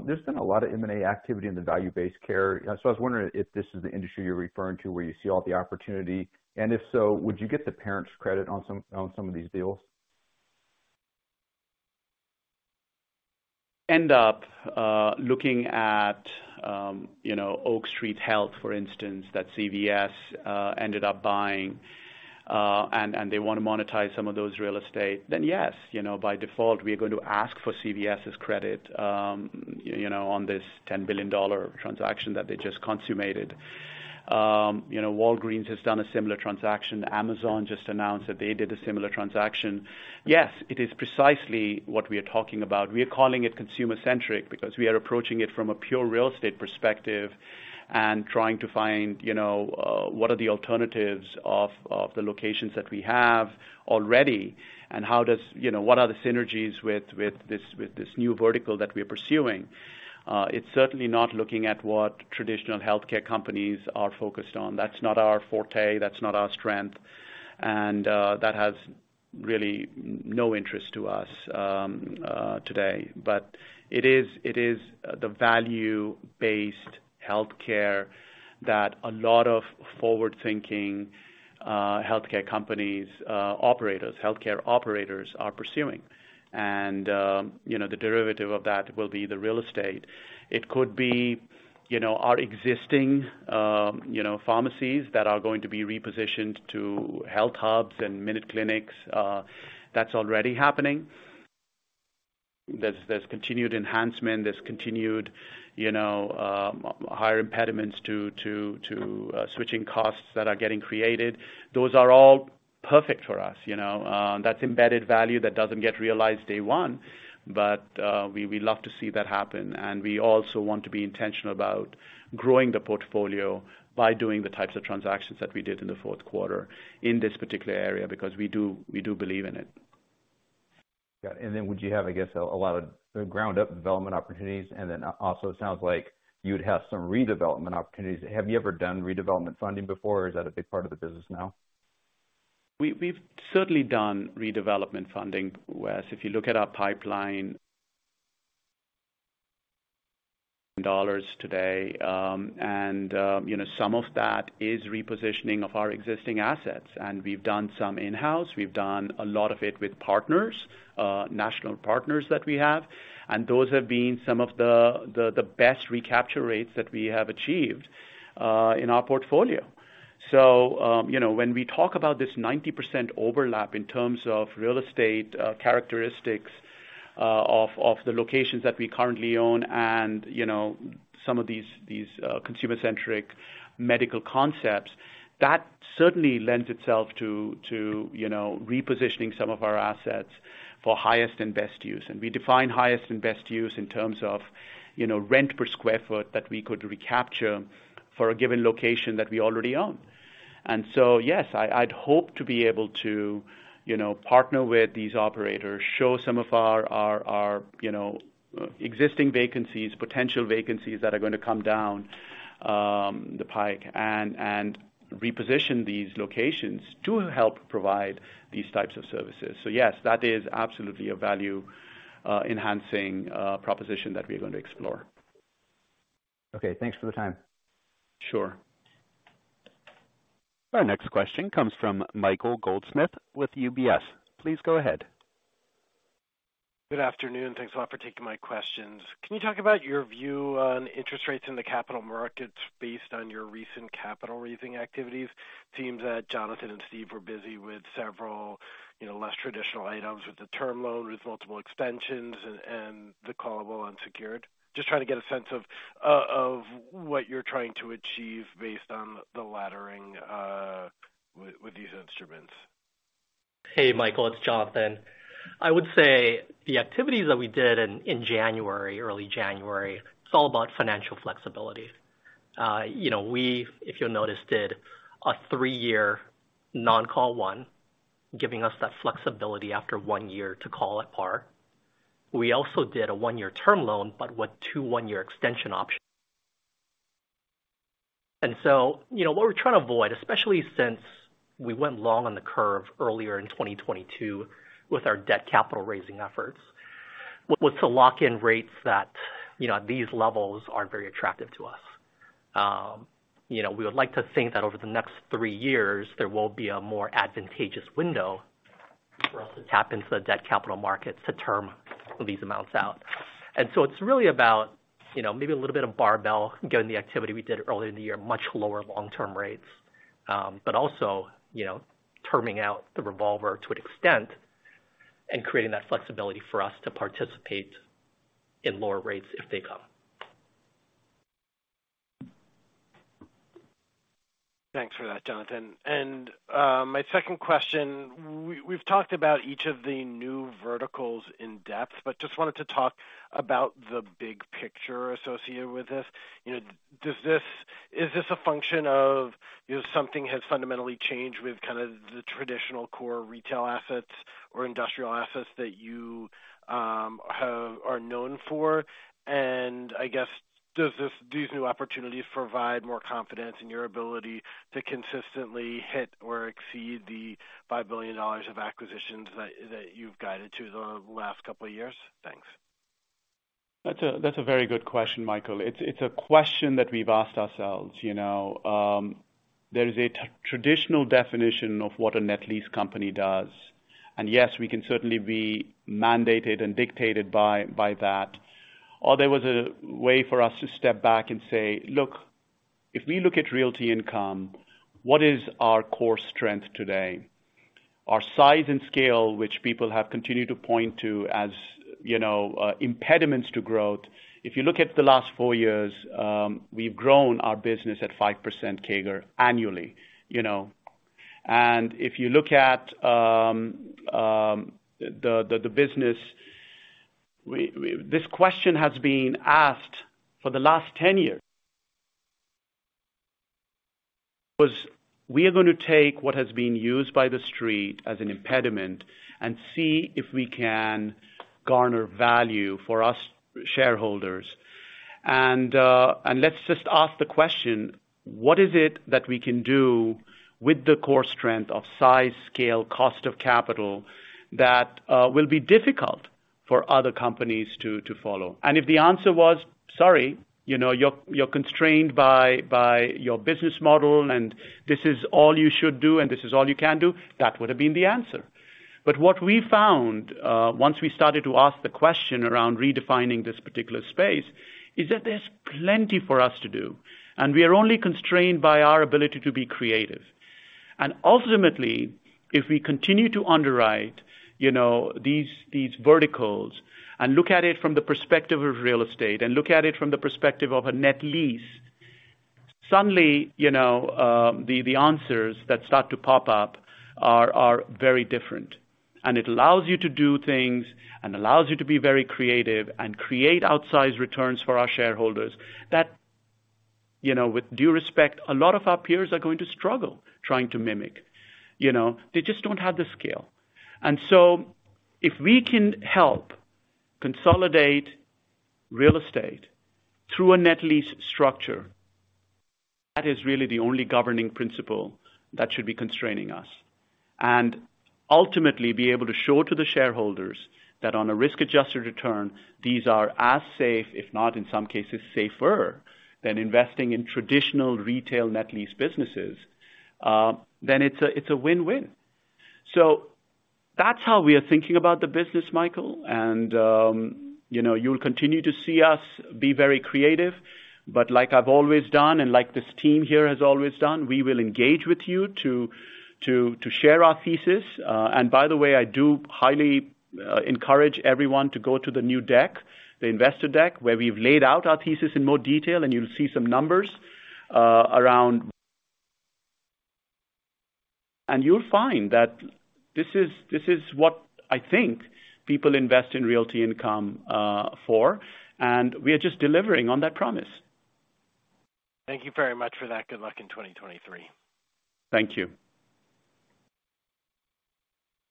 There's been a lot of M&A activity in the value-based care. I was wondering if this is the industry you're referring to, where you see all the opportunity. If so, would you get the parents credit on some of these deals? End up looking at, you know, Oak Street Health, for instance, that CVS ended up buying, and they wanna monetize some of those real estate, then yes, you know, by default, we are going to ask for CVS's credit, you know, on this $10 billion transaction that they just consummated. You know, Walgreens has done a similar transaction. Amazon just announced that they did a similar transaction. Yes, it is precisely what we are talking about. We are calling it consumer-centric because we are approaching it from a pure real estate perspective and trying to find, you know, what are the alternatives of the locations that we have already, and you know, what are the synergies with this new vertical that we are pursuing. It's certainly not looking at what traditional healthcare companies are focused on. That's not our forte, that's not our strength, that has really no interest to us today. It is the value-based healthcare that a lot of forward-thinking healthcare companies, operators, healthcare operators are pursuing. You know, the derivative of that will be the real estate. It could be, you know, our existing, you know, pharmacies that are going to be repositioned to HealthHUBs and MinuteClinics, that's already happening. There's continued enhancement, there's continued, you know, higher impediments to switching costs that are getting created. Those are all perfect for us, you know. That's embedded value that doesn't get realized day one, we love to see that happen. We also want to be intentional about growing the portfolio by doing the types of transactions that we did in the fourth quarter in this particular area, because we do believe in it. Got it. Would you have, I guess, a lot of ground up development opportunities? Also sounds like you'd have some redevelopment opportunities. Have you ever done redevelopment funding before, or is that a big part of the business now? We've certainly done redevelopment funding, Wes. If you look at our pipeline dollars today, and, you know, some of that is repositioning of our existing assets, and we've done some in-house. We've done a lot of it with partners, national partners that we have. Those have been some of the best recapture rates that we have achieved in our portfolio. You know, when we talk about this 90% overlap in terms of real estate characteristics, of the locations that we currently own and, you know, some of these consumer-centric medical concepts, that certainly lends itself to, you know, repositioning some of our assets for highest and best use. We define highest and best use in terms of, you know, rent per square foot that we could recapture for a given location that we already own. Yes, I'd hope to be able to, you know, partner with these operators, show some of our, you know, existing vacancies, potential vacancies that are gonna come down, the pike and reposition these locations to help provide these types of services. Yes, that is absolutely a value enhancing proposition that we're going to explore. Okay, thanks for the time. Sure. Our next question comes from Michael Goldsmith with UBS. Please go ahead. Good afternoon. Thanks a lot for taking my questions. Can you talk about your view on interest rates in the capital markets based on your recent capital raising activities? Seems that Jonathan and Steve were busy with several, you know, less traditional items with the term loan, with multiple extensions and the callable unsecured. Just trying to get a sense of what you're trying to achieve based on the laddering with these instruments. Hey, Michael, it's Jonathan. I would say the activities that we did in January, early January, it's all about financial flexibility. you know, we, if you noticed, did a three-year non-call one, giving us that flexibility after one year to call it par. We also did a one-year term loan, but with two one-year extension options. you know, what we're trying to avoid, especially since we went long on the curve earlier in 2022 with our debt capital raising efforts, was to lock in rates that, you know, at these levels aren't very attractive to us. you know, we would like to think that over the next three years, there will be a more advantageous window for us to tap into the debt capital markets to term these amounts out. It's really about, you know, maybe a little bit of barbell, given the activity we did earlier in the year, much lower long-term rates, but also, you know, terming out the revolver to an extent and creating that flexibility for us to participate in lower rates if they come. Thanks for that, Jonathan. My second question, we've talked about each of the new verticals in depth, but just wanted to talk about the big picture associated with this. You know, is this a function of, you know, something has fundamentally changed with kind of the traditional core retail assets or industrial assets that you are known for? I guess, do these new opportunities provide more confidence in your ability to consistently hit or exceed the $5 billion of acquisitions that you've guided to the last couple of years? Thanks. That's a very good question, Michael. It's a question that we've asked ourselves, you know. There is a traditional definition of what a net lease company does. Yes, we can certainly be mandated and dictated by that. There was a way for us to step back and say, "Look, if we look at Realty Income, what is our core strength today?" Our size and scale, which people have continued to point to as, you know, impediments to growth. If you look at the last four years, we've grown our business at 5% CAGR annually, you know. If you look at the business, This question has been asked for the last 10 years. We are gonna take what has been used by the street as an impediment and see if we can garner value for us shareholders. Let's just ask the question: What is it that we can do with the core strength of size, scale, cost of capital that will be difficult for other companies to follow? If the answer was, sorry, you know, you're constrained by your business model, and this is all you should do and this is all you can do, that would have been the answer. What we found once we started to ask the question around redefining this particular space, is that there's plenty for us to do, and we are only constrained by our ability to be creative. Ultimately, if we continue to underwrite, you know, these verticals and look at it from the perspective of real estate and look at it from the perspective of a net lease, suddenly, you know, the answers that start to pop up are very different. It allows you to do things, and allows you to be very creative and create outsized returns for our shareholders that, you know, with due respect, a lot of our peers are going to struggle trying to mimic. You know, they just don't have the scale. If we can help consolidate real estate through a net lease structure, that is really the only governing principle that should be constraining us. Ultimately be able to show to the shareholders that on a risk-adjusted return, these are as safe, if not in some cases safer, than investing in traditional retail net lease businesses, then it's a, it's a win-win. That's how we are thinking about the business, Michael. You know, you'll continue to see us be very creative. Like I've always done, and like this team here has always done, we will engage with you to share our thesis. I do highly encourage everyone to go to the new deck, the investor deck, where we've laid out our thesis in more detail, and you'll see some numbers around... This is, this is what I think people invest in Realty Income for, and we are just delivering on that promise. Thank you very much for that. Good luck in 2023. Thank you.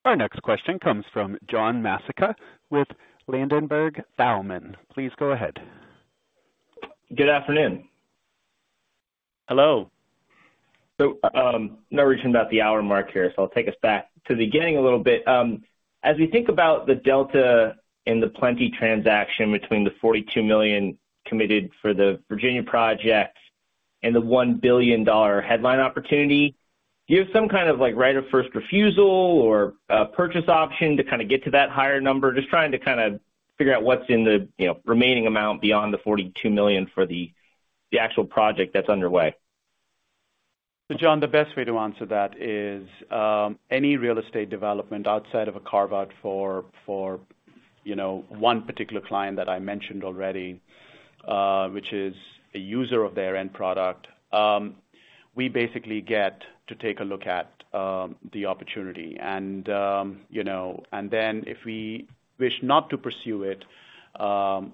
Our next question comes from John Massocca with Ladenburg Thalmann. Please go ahead. Good afternoon. Hello. Now reaching about the hour mark here, so I'll take us back to the beginning a little bit. As we think about the delta in the Plenty transaction between the $42 million committed for the Virginia project and the $1 billion headline opportunity, do you have some kind of, like, right of first refusal or a purchase option to kinda get to that higher number? Just trying to kinda figure out what's in the, you know, remaining amount beyond the $42 million for the actual project that's underway. John, the best way to answer that is, any real estate development outside of a carve-out for, you know, one particular client that I mentioned already, which is a user of their end product, we basically get to take a look at the opportunity. You know, then if we wish not to pursue it,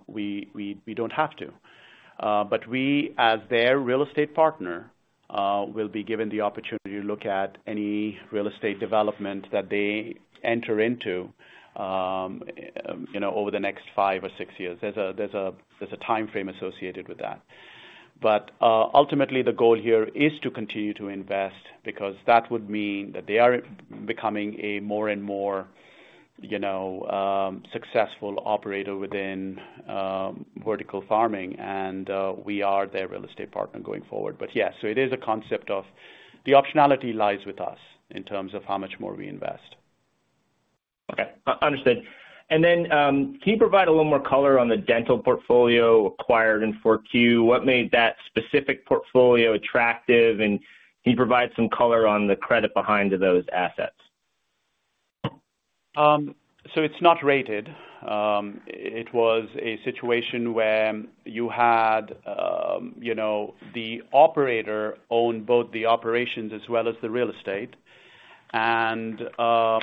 we don't have to. We, as their real estate partner, will be given the opportunity to look at any real estate development that they enter into, you know, over the next five or six years. There's a timeframe associated with that. Ultimately the goal here is to continue to invest because that would mean that they are becoming a more and more, you know, successful operator within vertical farming, and we are their real estate partner going forward. Yeah, it is a concept of the optionality lies with us in terms of how much more we invest. Okay. Understood. Can you provide a little more color on the dental portfolio acquired in 4Q? What made that specific portfolio attractive? Can you provide some color on the credit behind those assets? It's not rated. It was a situation where you had, you know, the operator own both the operations as well as the real estate. You know,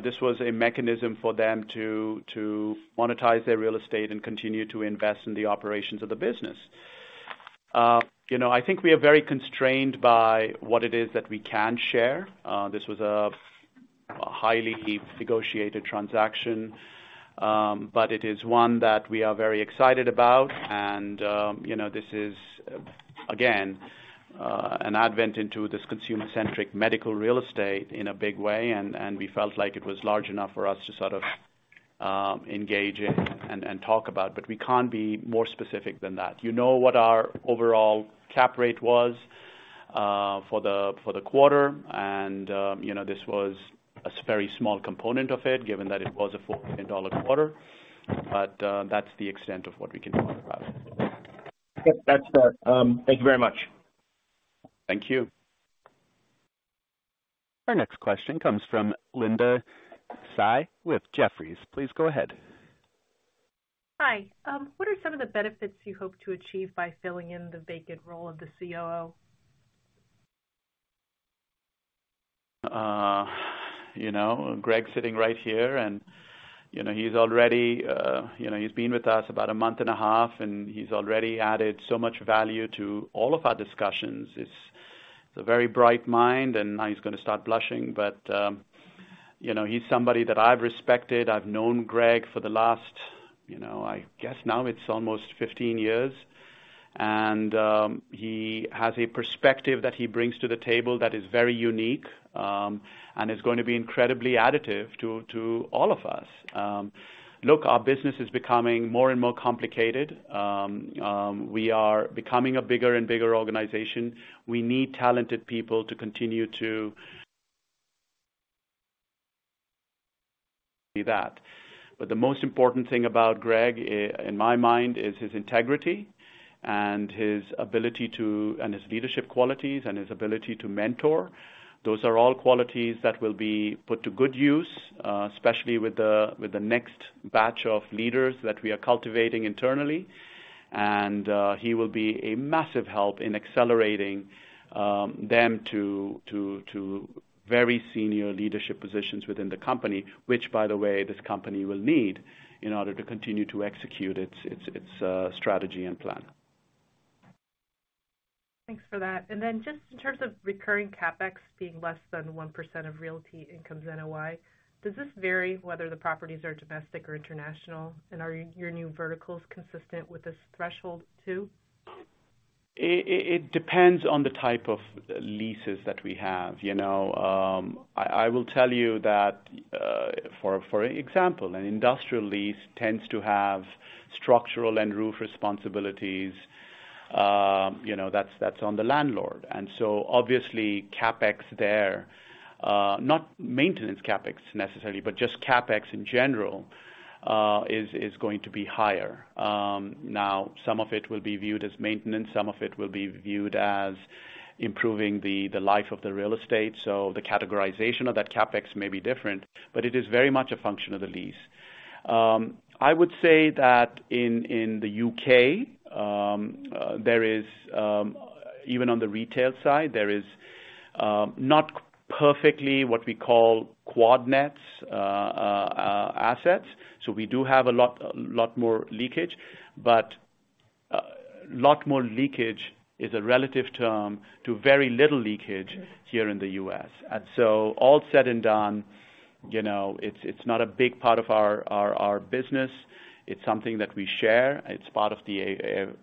this was a mechanism for them to monetize their real estate and continue to invest in the operations of the business. You know, I think we are very constrained by what it is that we can share. This was a highly negotiated transaction, but it is one that we are very excited about. You know, this is, again, an advent into this consumer-centric medical real estate in a big way, and we felt like it was large enough for us to sort of engage in and talk about, but we can't be more specific than that. You know what our overall cap rate was for the quarter. You know, this was a very small component of it, given that it was a $4 billion dollar quarter. That's the extent of what we can talk about. Yes, that's fair. Thank you very much. Thank you. Our next question comes from Linda Tsai with Jefferies. Please go ahead. Hi. What are some of the benefits you hope to achieve by filling in the vacant role of the COO? You know, Greg's sitting right here, you know, he's already, you know, he's been with us about a month and a half, and he's already added so much value to all of our discussions. He's a very bright mind, and now he's gonna start blushing, but, you know, he's somebody that I've respected. I've known Greg for the last, you know, I guess now it's almost 15 years. He has a perspective that he brings to the table that is very unique, and it's gonna be incredibly additive to all of us. Look, our business is becoming more and more complicated. We are becoming a bigger and bigger organization. We need talented people to continue to do that. The most important thing about Greg in my mind is his integrity and his ability and his leadership qualities and his ability to mentor. Those are all qualities that will be put to good use, especially with the next batch of leaders that we are cultivating internally. He will be a massive help in accelerating them to very senior leadership positions within the company, which, by the way, this company will need in order to continue to execute its strategy and plan. Thanks for that. Then just in terms of recurring CapEx being less than 1% of Realty Income's NOI, does this vary whether the properties are domestic or international? Are your new verticals consistent with this threshold too? It depends on the type of leases that we have, you know? I will tell you that, for example, an industrial lease tends to have structural and roof responsibilities, you know, that's on the landlord. Obviously CapEx there, not maintenance CapEx necessarily, but just CapEx in general, is going to be higher. Now, some of it will be viewed as maintenance, some of it will be viewed as improving the life of the real estate. The categorization of that CapEx may be different, but it is very much a function of the lease. I would say that in the U.K., there is, even on the retail side, there is, not perfectly what we call quad nets assets. We do have a lot more leakage, but lot more leakage is a relative term to very little leakage here in the U.S. All said and done, you know, it's not a big part of our business. It's something that we share. It's part of the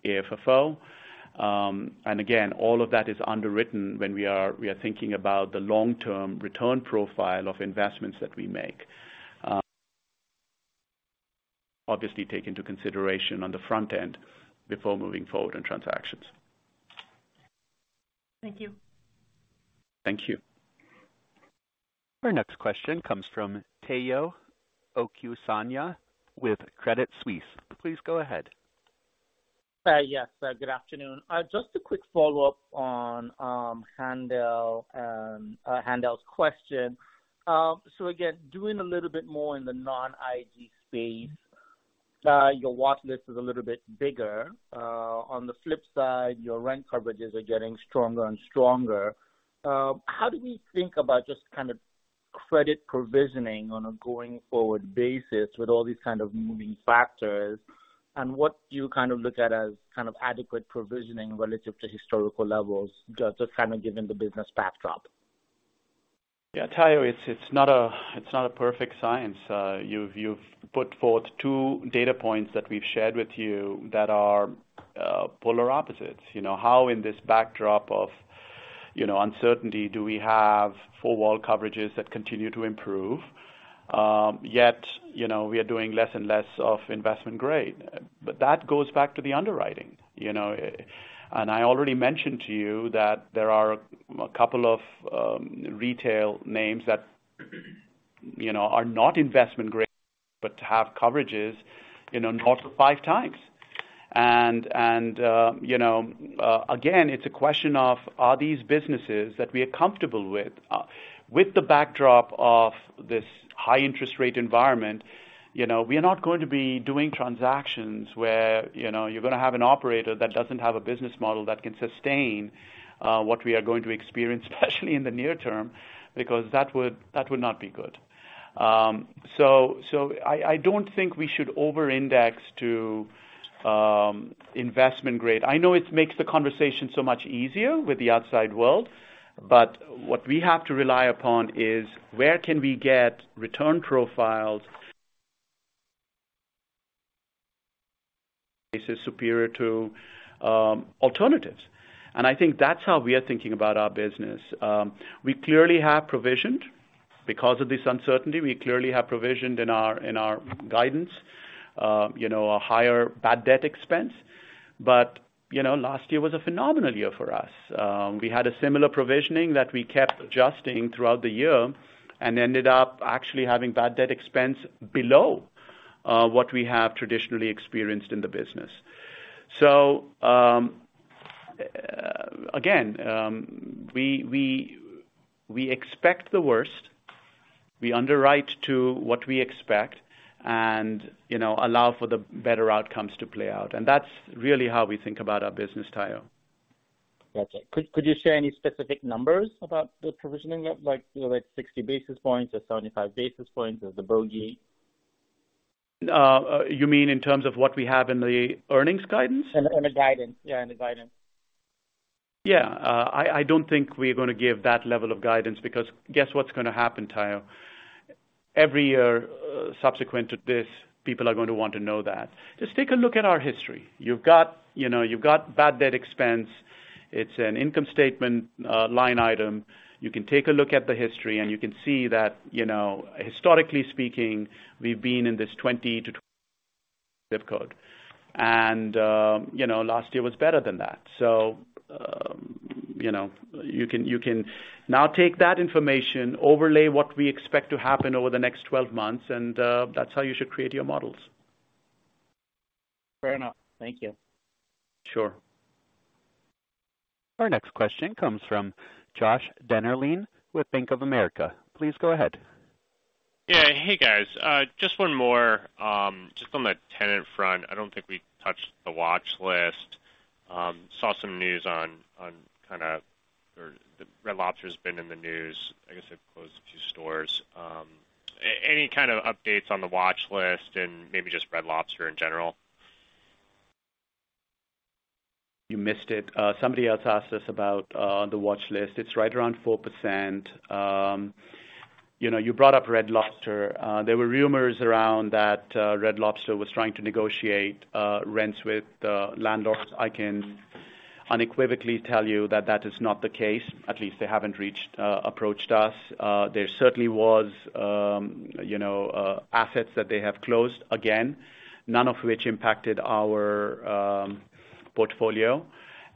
AFFO. Again, all of that is underwritten when we are thinking about the long-term return profile of investments that we make, obviously take into consideration on the front end before moving forward in transactions. Thank you. Thank you. Our next question comes from Omotayo Okusanya with Credit Suisse. Please go ahead. Yes. Good afternoon. Just a quick follow-up on Haendel's question. Again, doing a little bit more in the non-IG space, your watch list is a little bit bigger. On the flip side, your rent coverages are getting stronger and stronger. How do we think about just kind of credit provisioning on a going forward basis with all these kind of moving factors? What do you kind of look at as kind of adequate provisioning relative to historical levels, just kind of given the business backdrop? Yeah, Tayo, it's not a perfect science. You've put forth 2 data points that we've shared with you that are polar opposites. You know, how in this backdrop of, you know, uncertainty do we have four-wall coverages that continue to improve? Yet, you know, we are doing less and less of investment grade. That goes back to the underwriting, you know? I already mentioned to you that there are a couple of retail names that, you know, are not investment grade, but have coverages, you know, north of 5x. You know, again, it's a question of, are these businesses that we are comfortable with? With the backdrop of this high interest rate environment, you know, we are not going to be doing transactions where, you know, you're gonna have an operator that doesn't have a business model that can sustain what we are going to experience, especially in the near term, because that would not be good. So I don't think we should over-index to investment grade. I know it makes the conversation so much easier with the outside world, but what we have to rely upon is where can we get return profiles is superior to alternatives. I think that's how we are thinking about our business. We clearly have provisioned because of this uncertainty. We clearly have provisioned in our, in our guidance, you know, a higher bad debt expense. You know, last year was a phenomenal year for us. We had a similar provisioning that we kept adjusting throughout the year and ended up actually having bad debt expense below what we have traditionally experienced in the business. Again, we expect the worst. We underwrite to what we expect and, you know, allow for the better outcomes to play out. That's really how we think about our business, Tayo. Got you. Could you share any specific numbers about the provisioning of like, you know, like 60 basis points or 75 basis points as a bogey? You mean in terms of what we have in the earnings guidance? In the guidance. Yeah, in the guidance. Yeah. I don't think we're gonna give that level of guidance because guess what's gonna happen, Tayo? Every year subsequent to this, people are going to want to know that. Just take a look at our history. You've got, you know, you've got bad debt expense. It's an income statement, line item. You can take a look at the history, and you can see that, you know, historically speaking, we've been in this 20 to zip code. You know, last year was better than that. You know, you can now take that information, overlay what we expect to happen over the next 12 months, and that's how you should create your models. Fair enough. Thank you. Sure. Our next question comes from Joshua Dennerlein with Bank of America. Please go ahead. Yeah. Hey, guys. Just one more. Just on the tenant front, I don't think we touched the watch list. Saw some news on or the Red Lobster has been in the news. I guess they've closed a few stores. Any kind of updates on the watch list and maybe just Red Lobster in general? You missed it. Somebody else asked us about the watch list. It's right around 4%. You know, you brought up Red Lobster. There were rumors around that Red Lobster was trying to negotiate rents with landlords. I can unequivocally tell you that that is not the case. At least they haven't approached us. There certainly was, you know, assets that they have closed again, none of which impacted our portfolio.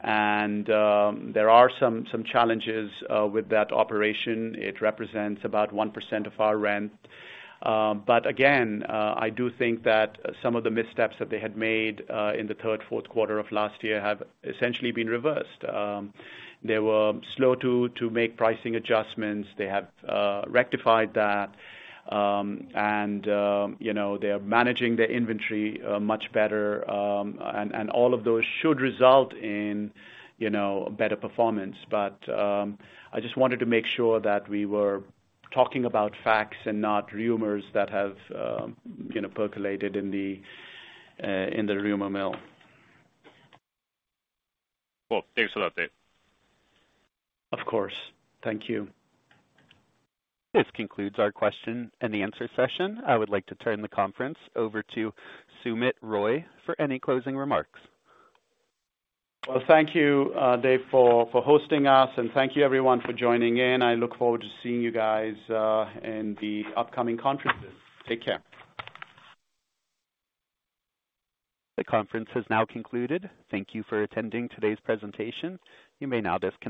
There are some challenges with that operation. It represents about 1% of our rent. Again, I do think that some of the missteps that they had made in the third, fourth quarter of last year have essentially been reversed. They were slow to make pricing adjustments. They have rectified that. You know, they are managing their inventory much better. All of those should result in, you know, better performance. I just wanted to make sure that we were talking about facts and not rumors that have, you know, percolated in the rumor mill. Well, thanks for the update. Of course. Thank you. This concludes our question and answer session. I would like to turn the conference over to Sumit Roy for any closing remarks. Well, thank you, Dave, for hosting us, and thank you everyone for joining in. I look forward to seeing you guys in the upcoming conferences. Take care. The conference has now concluded. Thank you for attending today's presentation. You may now disconnect.